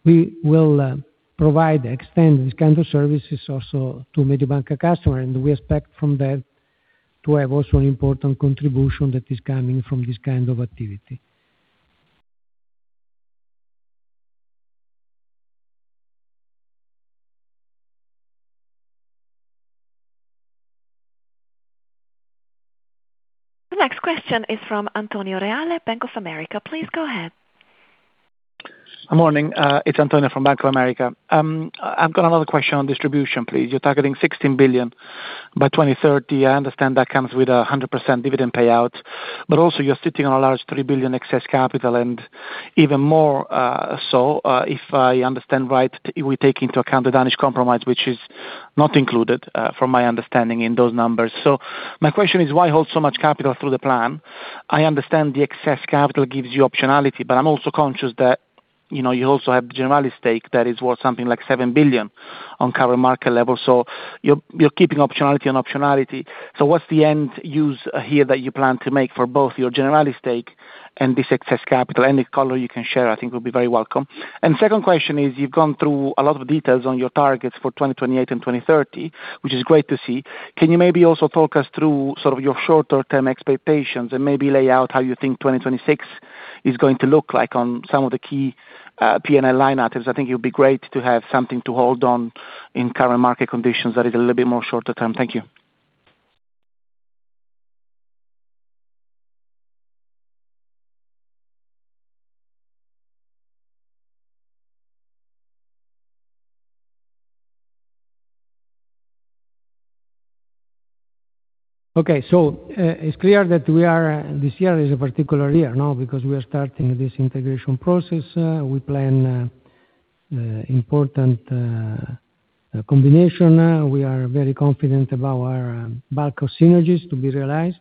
We will provide, extend this kind of services also to Mediobanca customer, and we expect from that to have also an important contribution that is coming from this kind of activity. The next question is from Antonio Reale, Bank of America. Please go ahead. Good morning, it's Antonio from Bank of America. I've got another question on distribution, please. You're targeting 16 billion by 2030. I understand that comes with a 100% dividend payout. You're sitting on a large 3 billion excess capital and even more, if I understand right, we take into account the Danish Compromise, which is not included, from my understanding, in those numbers. My question is, why hold so much capital through the plan? I understand the excess capital gives you optionality. I'm also conscious that, you know, you also have Generali stake that is worth something like 7 billion on current market level. You're keeping optionality on optionality. What's the end use here that you plan to make for both your Generali stake and this excess capital? Any color you can share, I think, will be very welcome. Second question is, you've gone through a lot of details on your targets for 2028 and 2030, which is great to see. Can you maybe also talk us through sort of your shorter term expectations and maybe lay out how you think 2026 is going to look like on some of the key PNL line items? I think it would be great to have something to hold on in current market conditions that is a little bit more shorter term. Thank you. Okay, it's clear that this year is a particular year, no, because we are starting this integration process. We plan important combination. We are very confident about our bank of synergies to be realized.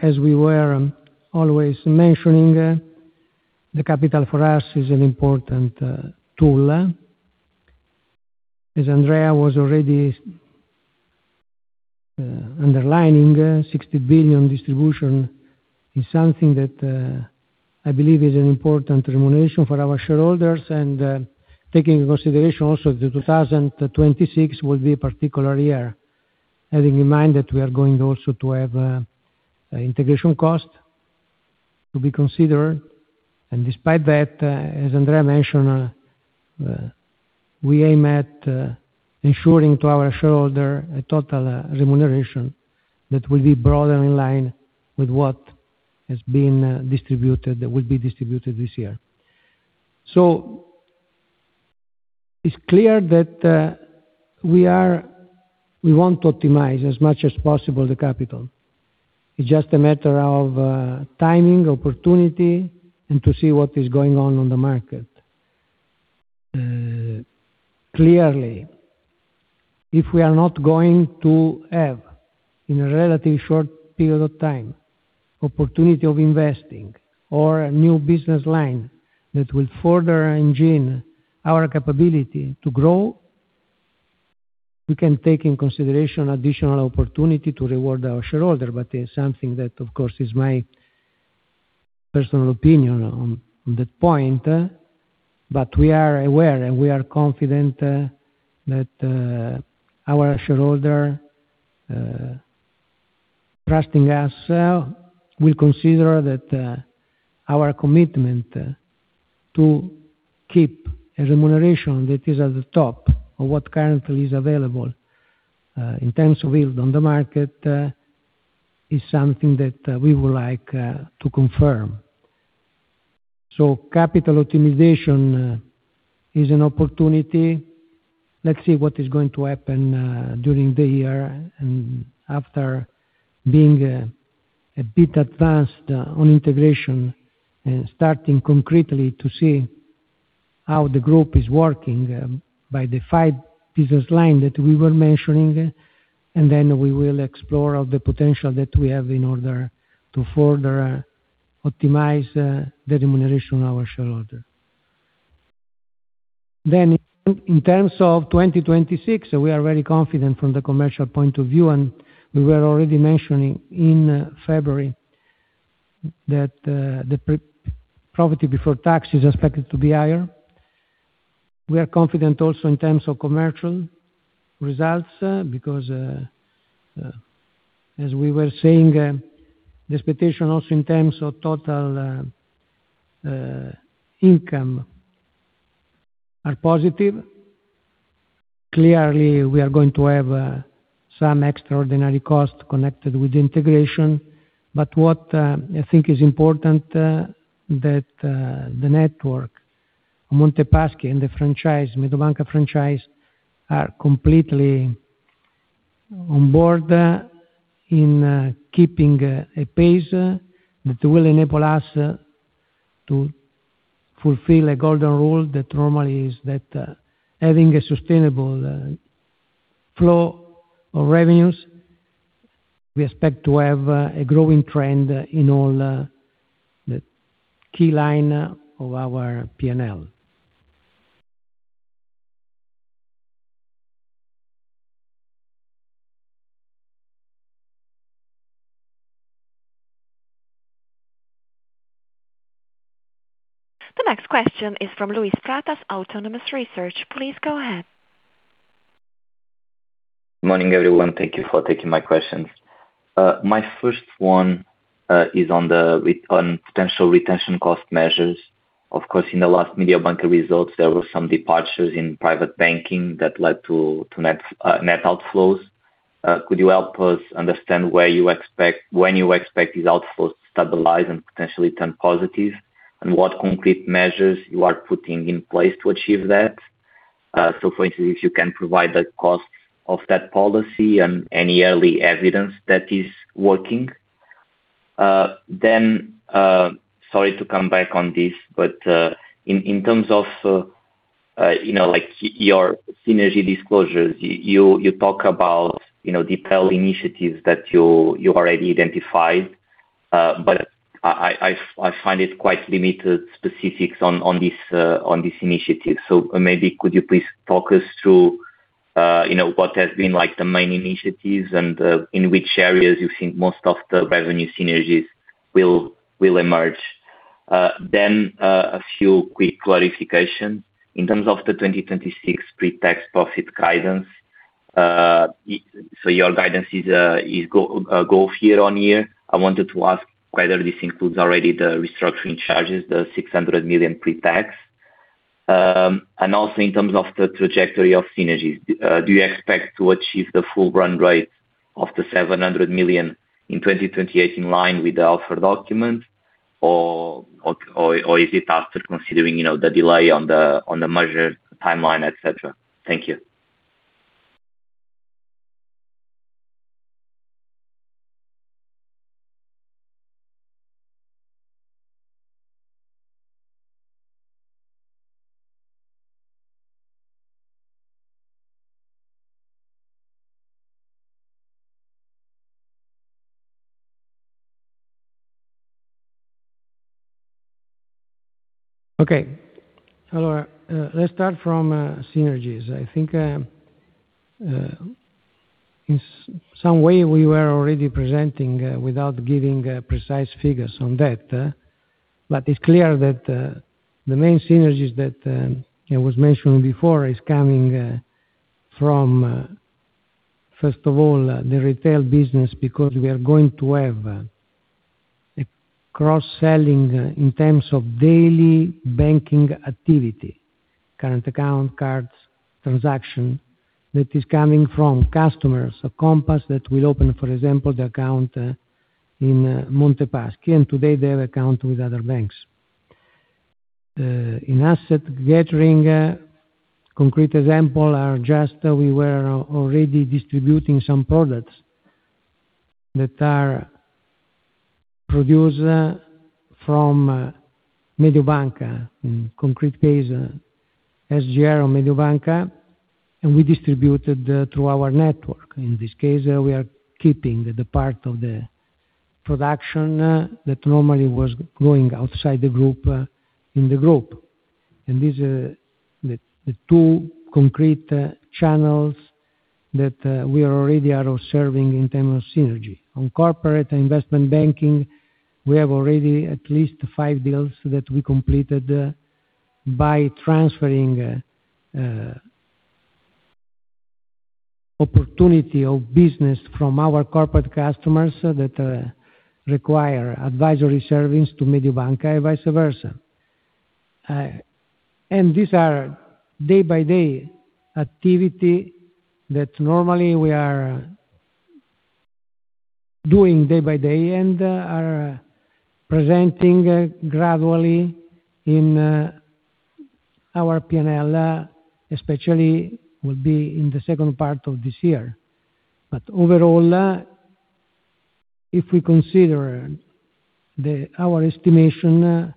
As we were always mentioning, the capital for us is an important tool. As Andrea was already underlining, 60 billion distribution is something that I believe is an important remuneration for our shareholders. Taking into consideration also the 2026 will be a particular year, having in mind that we are going also to have integration costs to be considered. Despite that, as Andrea mentioned, we aim at ensuring to our shareholder a total remuneration that will be broader in line with what has been distributed, that will be distributed this year. It's clear that we want to optimize as much as possible the capital. It's just a matter of timing, opportunity, and to see what is going on on the market. Clearly, if we are not going to have, in a relatively short period of time, opportunity of investing or a new business line that will further engine our capability to grow, we can take in consideration additional opportunity to reward our shareholder. It's something that, of course, is my personal opinion on that point. We are aware, and we are confident that our shareholder, trusting us, will consider that our commitment to keep a remuneration that is at the top of what currently is available in terms of yield on the market, is something that we would like to confirm. Capital optimization is an opportunity. Let's see what is going to happen during the year and after being a bit advanced on integration and starting concretely to see how the group is working by the five business line that we were mentioning, we will explore all the potential that we have in order to further optimize the remuneration of our shareholder. In terms of 2026, we are very confident from the commercial point of view, and we were already mentioning in February that the profit before tax is expected to be higher. We are confident also in terms of commercial results, because as we were saying, the expectation also in terms of total income are positive. Clearly, we are going to have some extraordinary costs connected with integration, but what I think is important that the network, Montepaschi and the franchise, Mediobanca franchise, are completely on board in keeping a pace that will enable us to fulfill a golden rule that normally is that having a sustainable flow of revenues, we expect to have a growing trend in all the key line of our PNL. The next question is from Luis Pratas, Autonomous Research. Please go ahead. Morning, everyone. Thank you for taking my questions. My first one is on potential retention cost measures. In the last Mediobanca results, there were some departures in private banking that led to net outflows. Could you help us understand where you expect, when you expect these outflows to stabilize and potentially turn positive, and what concrete measures you are putting in place to achieve that? If you can provide the cost of that policy and any early evidence that is working. Sorry to come back on this, in terms of, you know, like, your synergy disclosures, you talk about, you know, detailed initiatives that you already identified, but I find it quite limited specifics on this initiative. Maybe could you please talk us through, you know, what has been like the main initiatives and in which areas you think most of the revenue synergies will emerge? A few quick clarification. In terms of the 2026 pre-tax profit guidance, your guidance is go year on year. I wanted to ask whether this includes already the restructuring charges, the 600 million pre-tax. Also in terms of the trajectory of synergies, do you expect to achieve the full run rate of the 700 million in 2028 in line with the offer document, or is it after considering, you know, the delay on the measured timeline, et cetera? Thank you. Okay. Hello, let's start from synergies. I think, in some way, we were already presenting, without giving precise figures on that, but it's clear that the main synergies that it was mentioned before is coming from first of all, the retail business because we are going to have a cross-selling in terms of daily banking activity, current account, cards, transaction, that is coming from customers, a Compass that will open, for example, the account in Montepaschi, and today they have account with other banks. In asset gathering, concrete example are just that we were already distributing some products that are produced from Mediobanca, in concrete case, SGR or Mediobanca, and we distributed through our network. In this case, we are keeping the part of the production that normally was going outside the group in the group. These are the two concrete channels that we are already observing in terms of synergy. On corporate investment banking, we have already at least five deals that we completed by transferring opportunity of business from our corporate customers that require advisory service to Mediobanca and vice versa. These are day-by-day activity that normally we are doing day by day and are presenting gradually in our PNL, especially will be in the second part of this year. Overall, if we consider our estimation,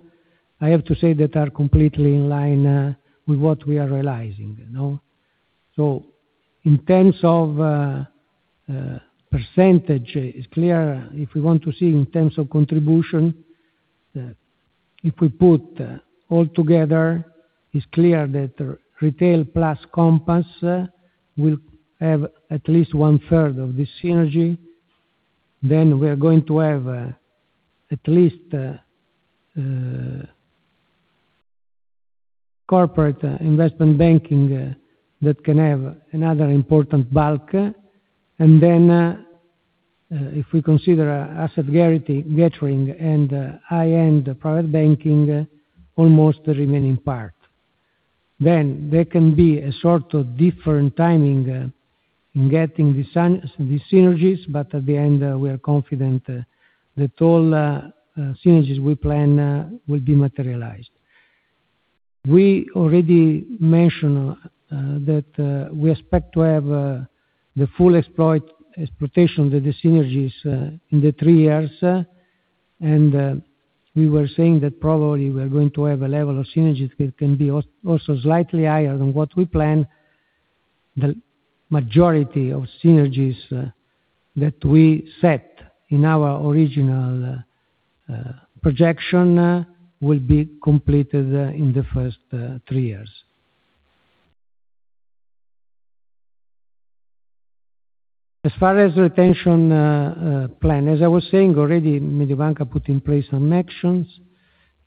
I have to say that are completely in line with what we are realizing, you know? In terms of percentage, it's clear if we want to see in terms of contribution, if we put all together, it's clear that retail plus Compass will have at least 1/3 of this synergy. We are going to have at least corporate investment banking that can have another important bulk. If we consider asset guarantee gathering and high-end private banking, almost the remaining part. There can be a sort of different timing in getting the synergies, but at the end, we are confident that all synergies we plan will be materialized.... We already mentioned that we expect to have the full exploitation of the synergies in the three years. We were saying that probably we're going to have a level of synergies that can be also slightly higher than what we planned. The majority of synergies that we set in our original projection, will be completed in the first three years. As far as retention plan, as I was saying already, Mediobanca put in place some actions.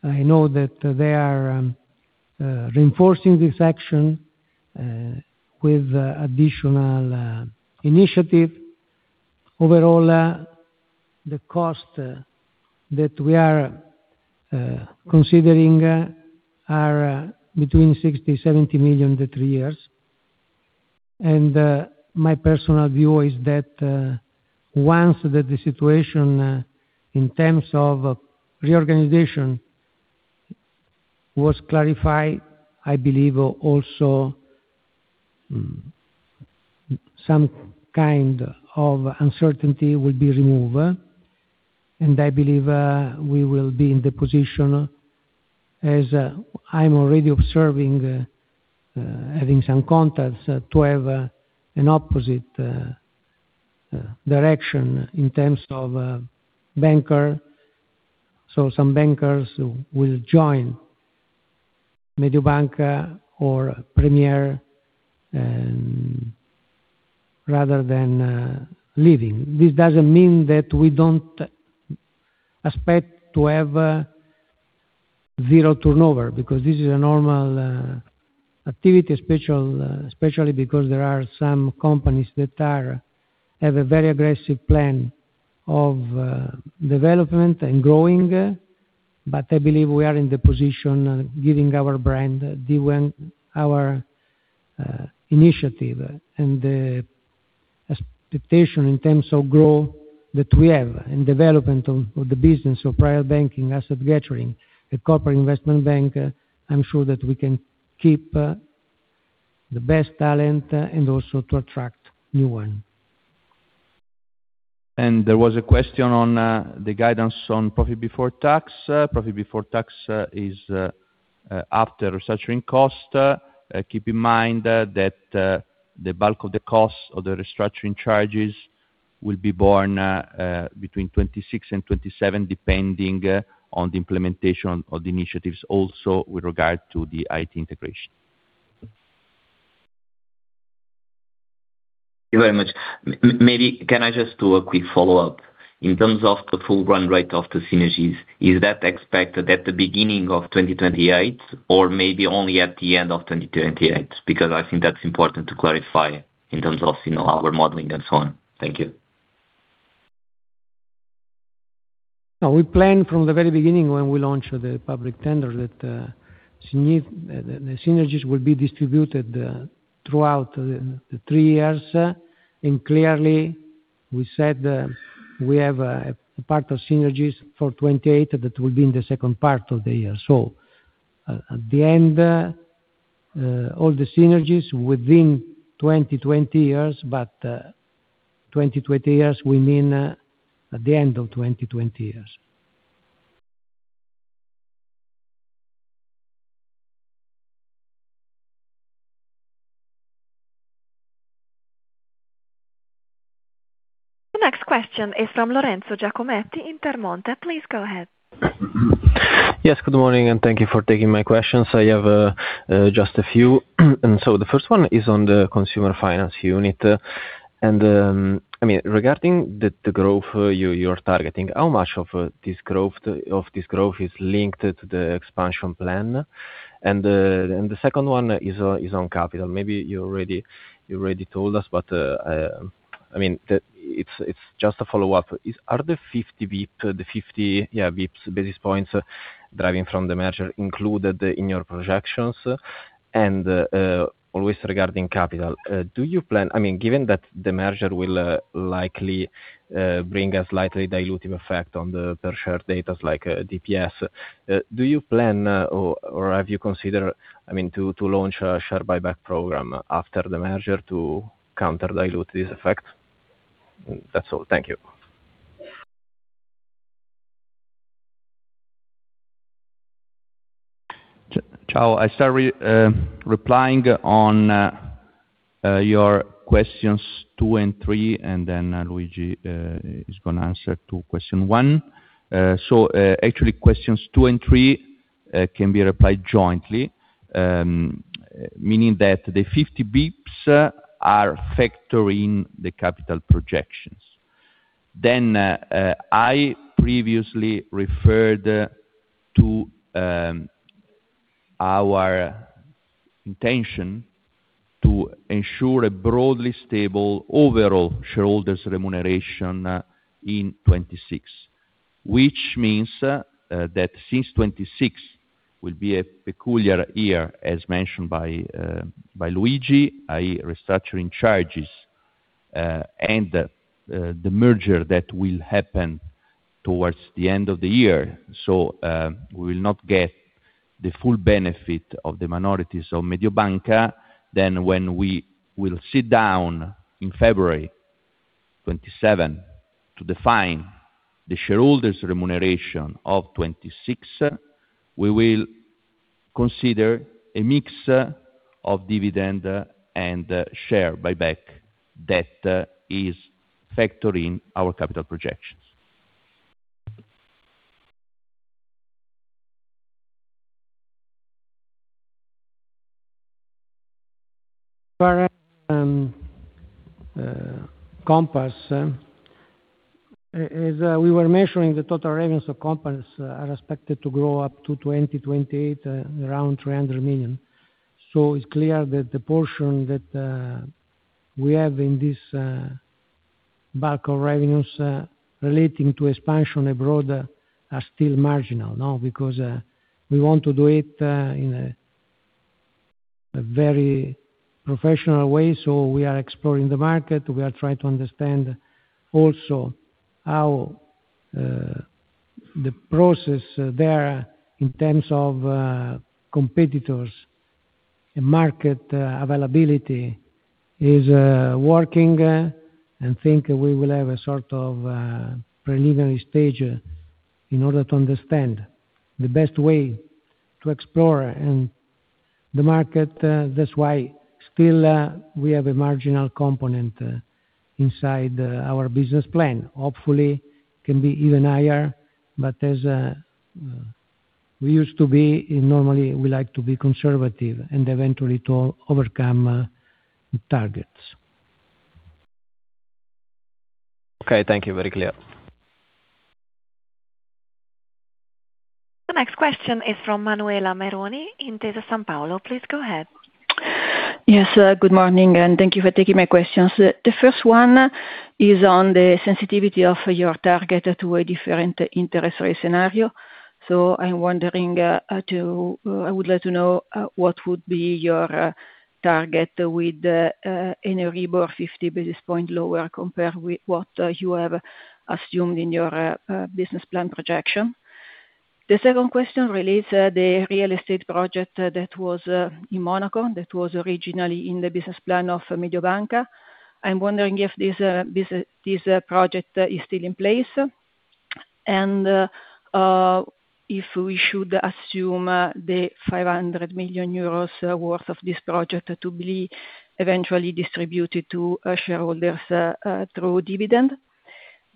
I know that they are reinforcing this action with additional initiative. Overall, the cost that we are considering are between EUR 60 million-EUR 70 million to three years. My personal view is that once that the situation in terms of reorganization was clarified, I believe also some kind of uncertainty will be removed, and I believe we will be in the position as I'm already observing having some contacts to have an opposite direction in terms of banker. Some bankers will join Mediobanca or Premier rather than leaving. This doesn't mean that we don't expect to have zero turnover, because this is a normal activity, especially because there are some companies that have a very aggressive plan of development and growing, but I believe we are in the position, given our brand, given our initiative and the expectation in terms of growth that we have, and development of the business, of private banking, asset gathering, the corporate investment bank, I'm sure that we can keep the best talent and also to attract new one. There was a question on the guidance on profit before tax. Profit before tax is after restructuring cost. Keep in mind that the bulk of the cost of the restructuring charges will be born between 2026 and 2027, depending on the implementation of the initiatives, also with regard to the IT integration. Thank you very much. maybe can I just do a quick follow-up? In terms of the full run rate of the synergies, is that expected at the beginning of 2028, or maybe only at the end of 2028? I think that's important to clarify in terms of, you know, our modeling and so on. Thank you. We planned from the very beginning when we launched the public tender, that the synergies will be distributed throughout the three years. Clearly, we said we have part of synergies for 2028, that will be in the second part of the year. At the end, all the synergies within 2020, but 2020, we mean, at the end of 2020. The next question is from Lorenzo Giacometti in Intermonte. Please go ahead. Yes, good morning, and thank you for taking my questions. I have just a few. The first one is on the consumer finance unit. I mean, regarding the growth you're targeting, how much of this growth is linked to the expansion plan? The second one is on capital. Maybe you already told us, but I mean, it's just a follow-up. Are the 50 basis points driving from the merger included in your projections? Always regarding capital, do you plan... I mean, given that the merger will likely bring a slightly dilutive effect on the per share data like DPS, do you plan or have you considered, I mean, to launch a share buyback program after the merger to counter dilute this effect? That's all. Thank you. Ciao. I start replying on your questions two and three, Luigi is gonna answer to question one. Actually, questions two and three can be replied jointly. Meaning that the 50 bps are factoring the capital projections. I previously referred to our intention to ensure a broadly stable overall shareholders remuneration in 2026. Which means that since 2026 will be a peculiar year, as mentioned by Luigi, i.e., restructuring charges. The merger that will happen towards the end of the year. We will not get the full benefit of the minorities of Mediobanca. When we will sit down in February 27 to define the shareholders remuneration of 2026, we will consider a mix of dividend and share buyback that is factoring our capital projections. Compass, as we were measuring the total revenues of Compass, are expected to grow up to 2028, around 300 million. It's clear that the portion that we have in this bulk of revenues relating to expansion abroad are still marginal, no, because we want to do it in a very professional way, so we are exploring the market. We are trying to understand also how the process there, in terms of competitors and market availability, is working, and think we will have a sort of preliminary stage in order to understand the best way to explore, and the market, that's why still we have a marginal component inside our business plan. Hopefully, can be even higher, but as we used to be, normally, we like to be conservative and eventually to overcome the targets. Okay, thank you, very clear. The next question is from Manuela Meroni, Intesa Sanpaolo. Please go ahead. Yes, good morning, and thank you for taking my questions. The first one is on the sensitivity of your target to a different interest rate scenario. I'm wondering to I would like to know what would be your target with in a Euribor 50 basis point lower compared with what you have assumed in your business plan projection. The second question relates the real estate project that was in Monaco, that was originally in the business plan of Mediobanca. I'm wondering if this project is still in place, and if we should assume the 500 million euros worth of this project to be eventually distributed to shareholders through dividend.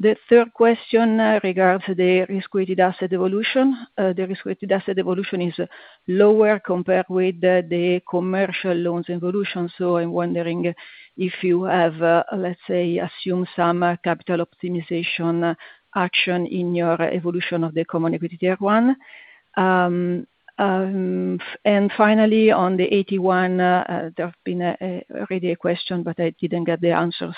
The third question regards the risk-weighted asset evolution. The risk-weighted asset evolution is lower compared with the commercial loans evolution, so I'm wondering if you have, let's say, assumed some capital optimization action in your evolution of the Common Equity Tier 1. Finally, on the AT1, there have been already a question, but I didn't get the answer.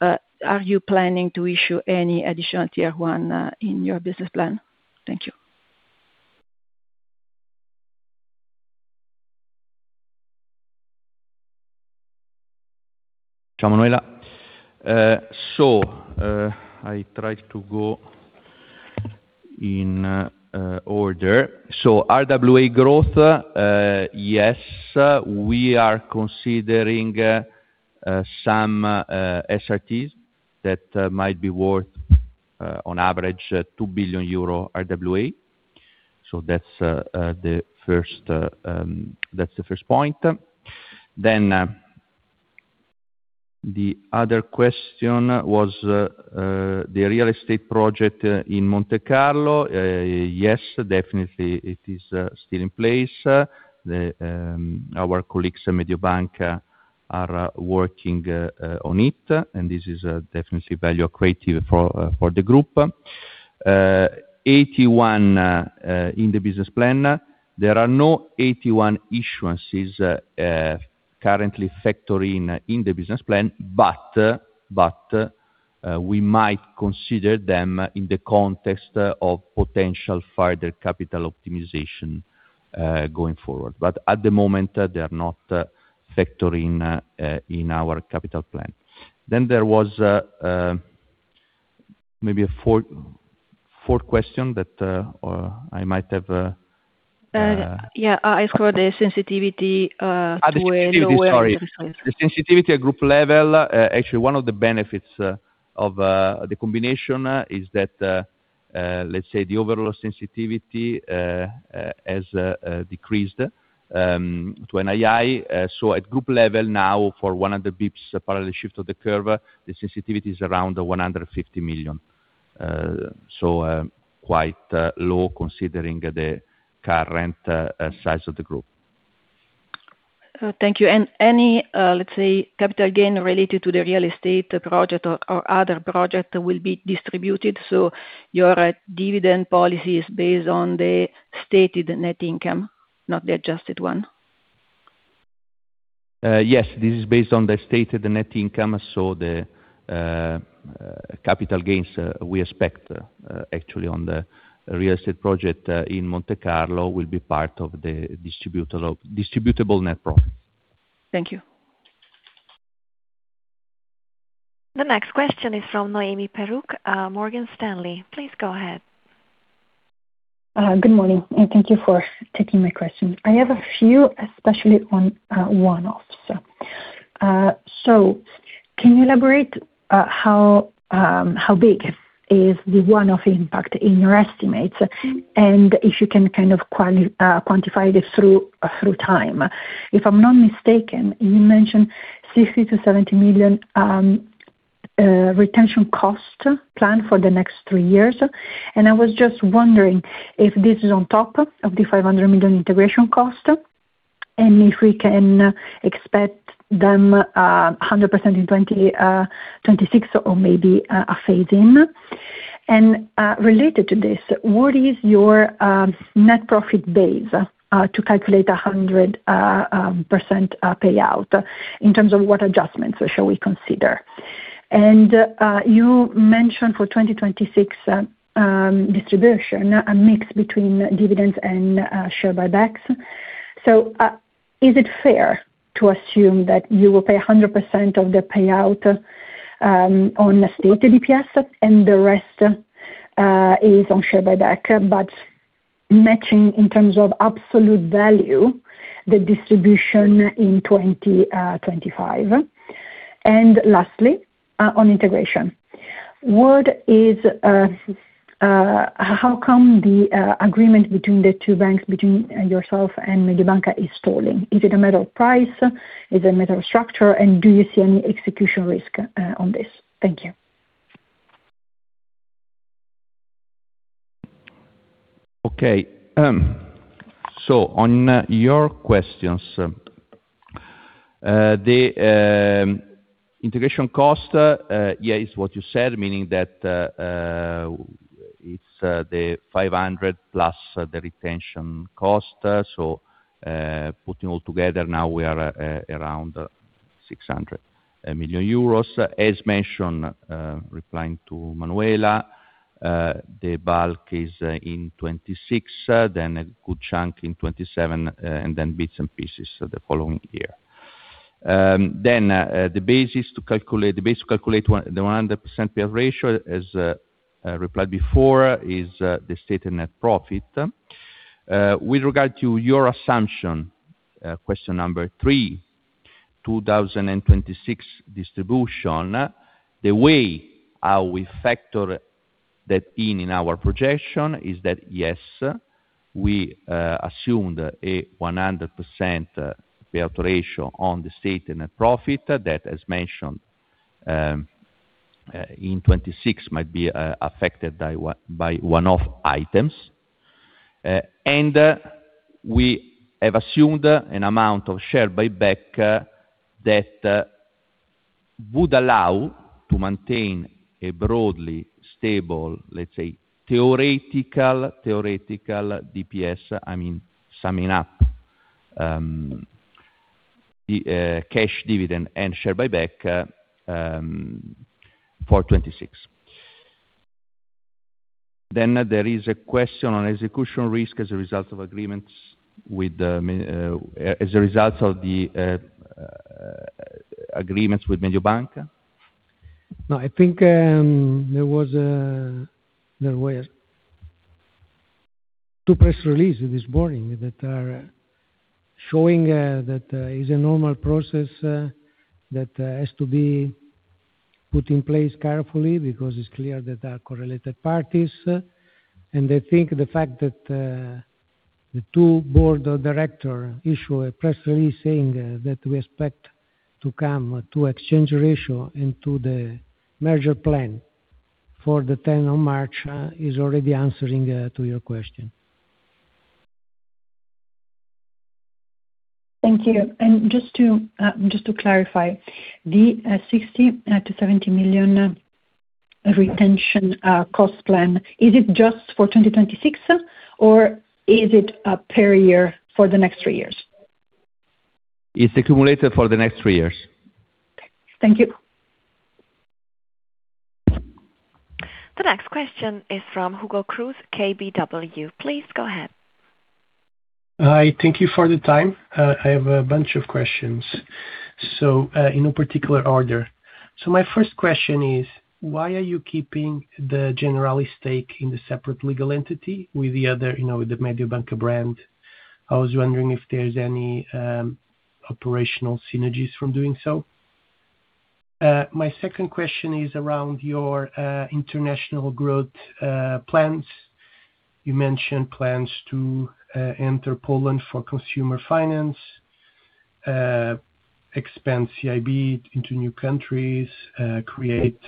Are you planning to issue any AT1 in your business plan? Thank you. I try to go in order. RWA growth, yes, we are considering some SRTs that might be worth on average 2 billion euro RWA. That's the first point. The other question was the real estate project in Monte Carlo. Yes, definitely it is still in place. The, our colleagues at Mediobanca are working on it, and this is definitely value creative for the group. AT1 in the business plan, there are no AT1 issuances currently factoring in the business plan, but we might consider them in the context of potential further capital optimization going forward. At the moment, they are not factoring in our capital plan. There was maybe a fourth question that or I might have. Yeah, I asked for the sensitivity. The sensitivity, sorry. The sensitivity. The sensitivity at group level, actually, one of the benefits of the combination is that, let's say the overall sensitivity has decreased to an AI. At group level now, for one of the bps, parallel shift of the curve, the sensitivity is around 150 million. Quite low considering the current size of the group. Thank you. Any, let's say, capital gain related to the real estate project or other project will be distributed, so your dividend policy is based on the stated net income, not the adjusted one? Yes, this is based on the stated net income, so the capital gains, we expect, actually on the real estate project, in Monte Carlo will be part of the distributable net profit. Thank you. The next question is from Noemi Peruch, Morgan Stanley. Please go ahead. Good morning. Thank you for taking my question. I have a few, especially on one-offs. Can you elaborate how big is the one-off impact in your estimates? If you can kind of quantify this through time. If I'm not mistaken, you mentioned 60-70 million retention cost plan for the next three years. I was just wondering if this is on top of the 500 million integration cost, and if we can expect them 100% in 2026, or maybe a phase in. Related to this, what is your net profit base to calculate a 100% payout in terms of what adjustments shall we consider? You mentioned for 2026 distribution, a mix between dividends and share buybacks. Is it fair to assume that you will pay 100% of the payout on the stated EPS, and the rest is on share buyback, but matching in terms of absolute value, the distribution in 2025? Lastly, on integration, what is how come the agreement between the two banks, between yourself and Mediobanca is stalling? Is it a matter of price? Is it a matter of structure? Do you see any execution risk on this? Thank you. On your questions, the integration cost, yeah, it's what you said, meaning that it's the 500+ the retention cost. Putting all together now, we are around 600 million euros. As mentioned, replying to Manuela, the bulk is in 2026, then a good chunk in 2027, and then bits and pieces the following year. The base to calculate the 100% payout ratio, as replied before, is the stated net profit. With regard to your assumption, question number three, 2026 distribution, the way how we factor that in our projection is that, yes, we assumed a 100% payout ratio on the stated net profit. That as mentioned, in 2026, might be affected by one-off items. We have assumed an amount of share buyback that would allow to maintain a broadly stable, let's say, theoretical DPS. I mean, summing up, the cash dividend and share buyback for 2026. There is a question on execution risk as a result of the agreements with Mediobanca? I think, there were two press release this morning that are showing, that, is a normal process, that, has to be put in place carefully because it's clear that they are correlated parties. I think the fact that, the two board of director issue a press release saying, that we expect to come to exchange ratio and to the merger plan for the 10th of March, is already answering, to your question. Thank you. Just to, just to clarify, the 60 million-70 million retention cost plan, is it just for 2026, or is it a per year for the next three years? It's accumulated for the next three years. Thank you. The next question is from Hugo Cruz, KBW. Please go ahead. Hi, thank you for the time. I have a bunch of questions. In no particular order. My first question is: Why are you keeping the Generali stake in the separate legal entity with the other, you know, the Mediobanca brand? I was wondering if there's any operational synergies from doing so. My second question is around your international growth plans. You mentioned plans to enter Poland for consumer finance, expand CIB into new countries, create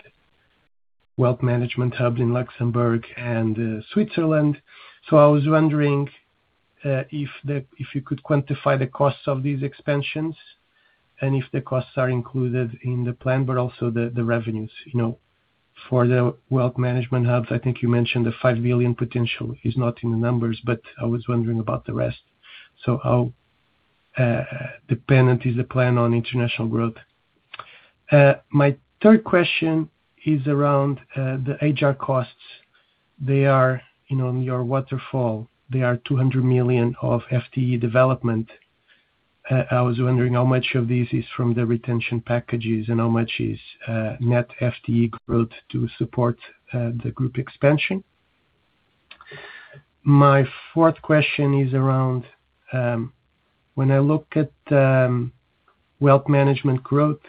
wealth management hubs in Luxembourg and Switzerland. I was wondering if you could quantify the costs of these expansions, and if the costs are included in the plan, but also the revenues, you know. For the wealth management hubs, I think you mentioned the 5 million potential is not in the numbers, but I was wondering about the rest. How dependent is the plan on international growth? My third question is around the HR costs. They are, you know, in your waterfall, they are 200 million of FTE development. I was wondering how much of this is from the retention packages, and how much is net FTE growth to support the group expansion? My fourth question is around when I look at wealth management growth,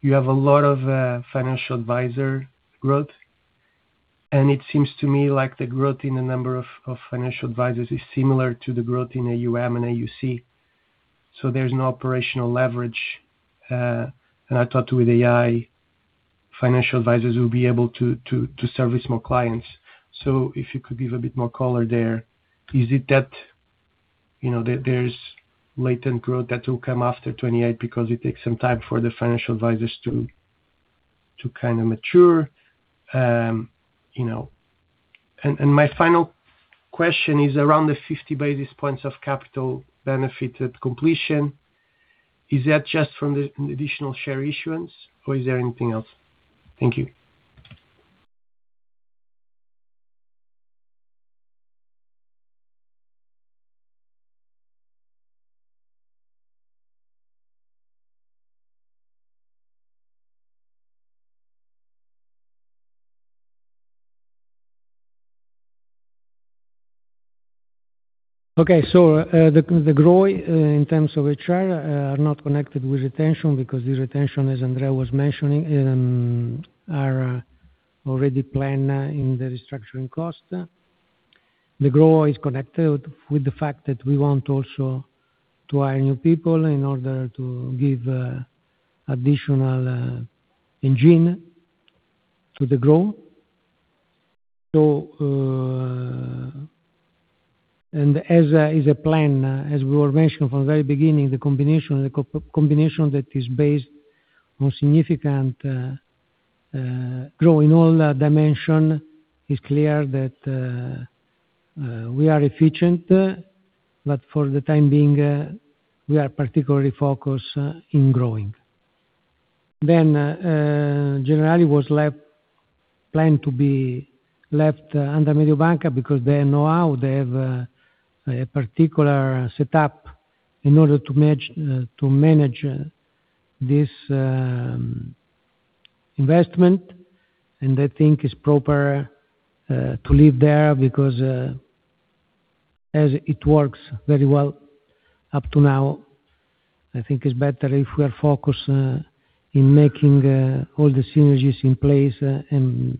you have a lot of financial advisor growth. It seems to me like the growth in the number of financial advisors is similar to the growth in AUM and AUC, so there's no operational leverage. I thought with AI, financial advisors will be able to service more clients. If you could give a bit more color there. Is it that, you know, there's latent growth that will come after 2028 because it takes some time for the financial advisors to kind of mature? You know, and my final question is around the 50 basis points of capital benefited completion. Is that just from an additional share issuance, or is there anything else? Thank you. Okay. The growth in terms of HR are not connected with retention, because the retention, as Andrea was mentioning, are already planned in the restructuring cost. The growth is connected with the fact that we want also to hire new people in order to give additional engine to the growth. As is a plan, as we were mentioning from the very beginning, the combination, the co- combination that is based on significant growing all dimension, is clear that we are efficient, but for the time being, we are particularly focused in growing. Generally, was left, planned to be left under Mediobanca because they know how they have a particular setup in order to match to manage this investment. I think it's proper to leave there because as it works very well up to now, I think it's better if we are focused in making all the synergies in place and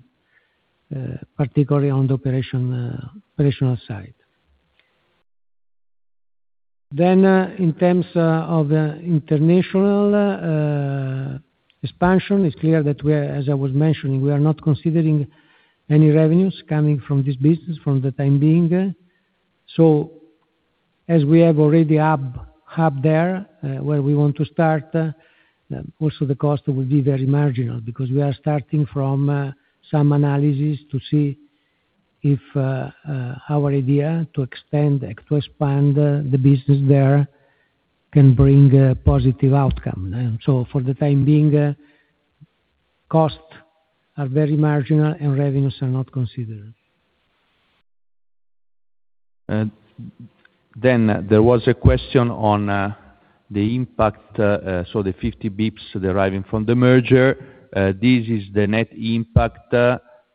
particularly on the operational side. In terms of the international expansion, it's clear that we are, as I was mentioning, we are not considering any revenues coming from this business from the time being. As we have already hub there, where we want to start, also the cost will be very marginal, because we are starting from some analysis to see if our idea to expand the business there can bring a positive outcome. So for the time being, costs are very marginal, and revenues are not considered. There was a question on the impact, so the 50 bps deriving from the merger. This is the net impact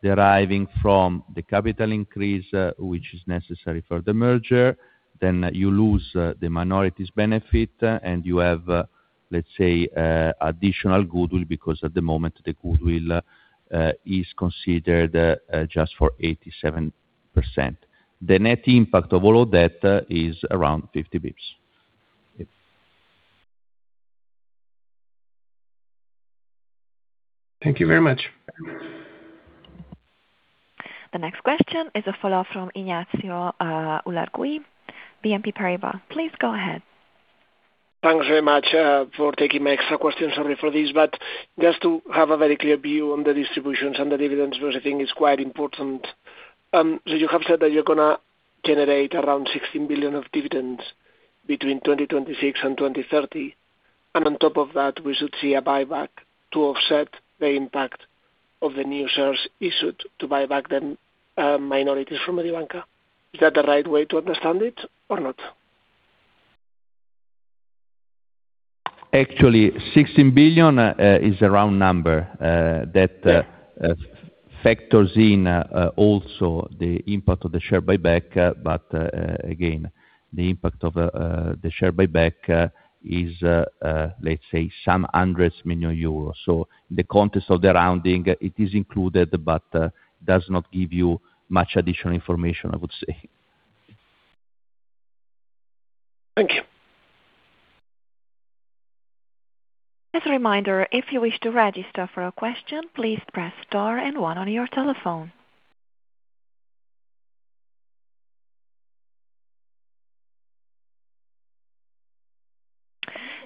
deriving from the capital increase, which is necessary for the merger. You lose the minorities benefit, and you have, let's say, additional goodwill, because at the moment, the goodwill is considered just for 87%. The net impact of all of that is around 50 bps. Thank you very much. The next question is a follow-up from Ignacio Ulargui, BNP Paribas. Please go ahead. Thanks very much, for taking my extra question. Sorry for this, but just to have a very clear view on the distributions and the dividends, because I think it's quite important. You have said that you're gonna generate around 16 billion of dividends between 2026 and 2030, and on top of that, we should see a buyback to offset the impact of the new shares issued to buy back the minorities from Mediobanca. Is that the right way to understand it or not? Actually, 16 billion is a round number that factors in also the impact of the share buyback. Again, the impact of the share buyback is, let's say, some hundreds million EUR. In the context of the rounding, it is included but does not give you much additional information, I would say. Thank you. As a reminder, if you wish to register for a question, please press star one on your telephone.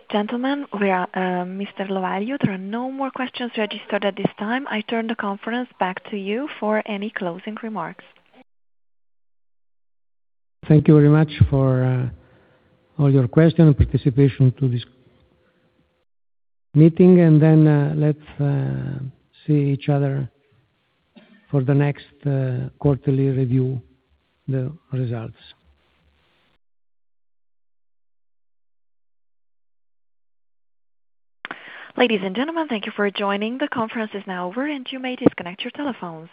Gentlemen, Mr. Lovaglio, there are no more questions registered at this time. I turn the conference back to you for any closing remarks. Thank you very much for all your questions and participation to this meeting, and then, let's see each other for the next quarterly review, the results. Ladies and gentlemen, thank you for joining. The conference is now over, and you may disconnect your telephones.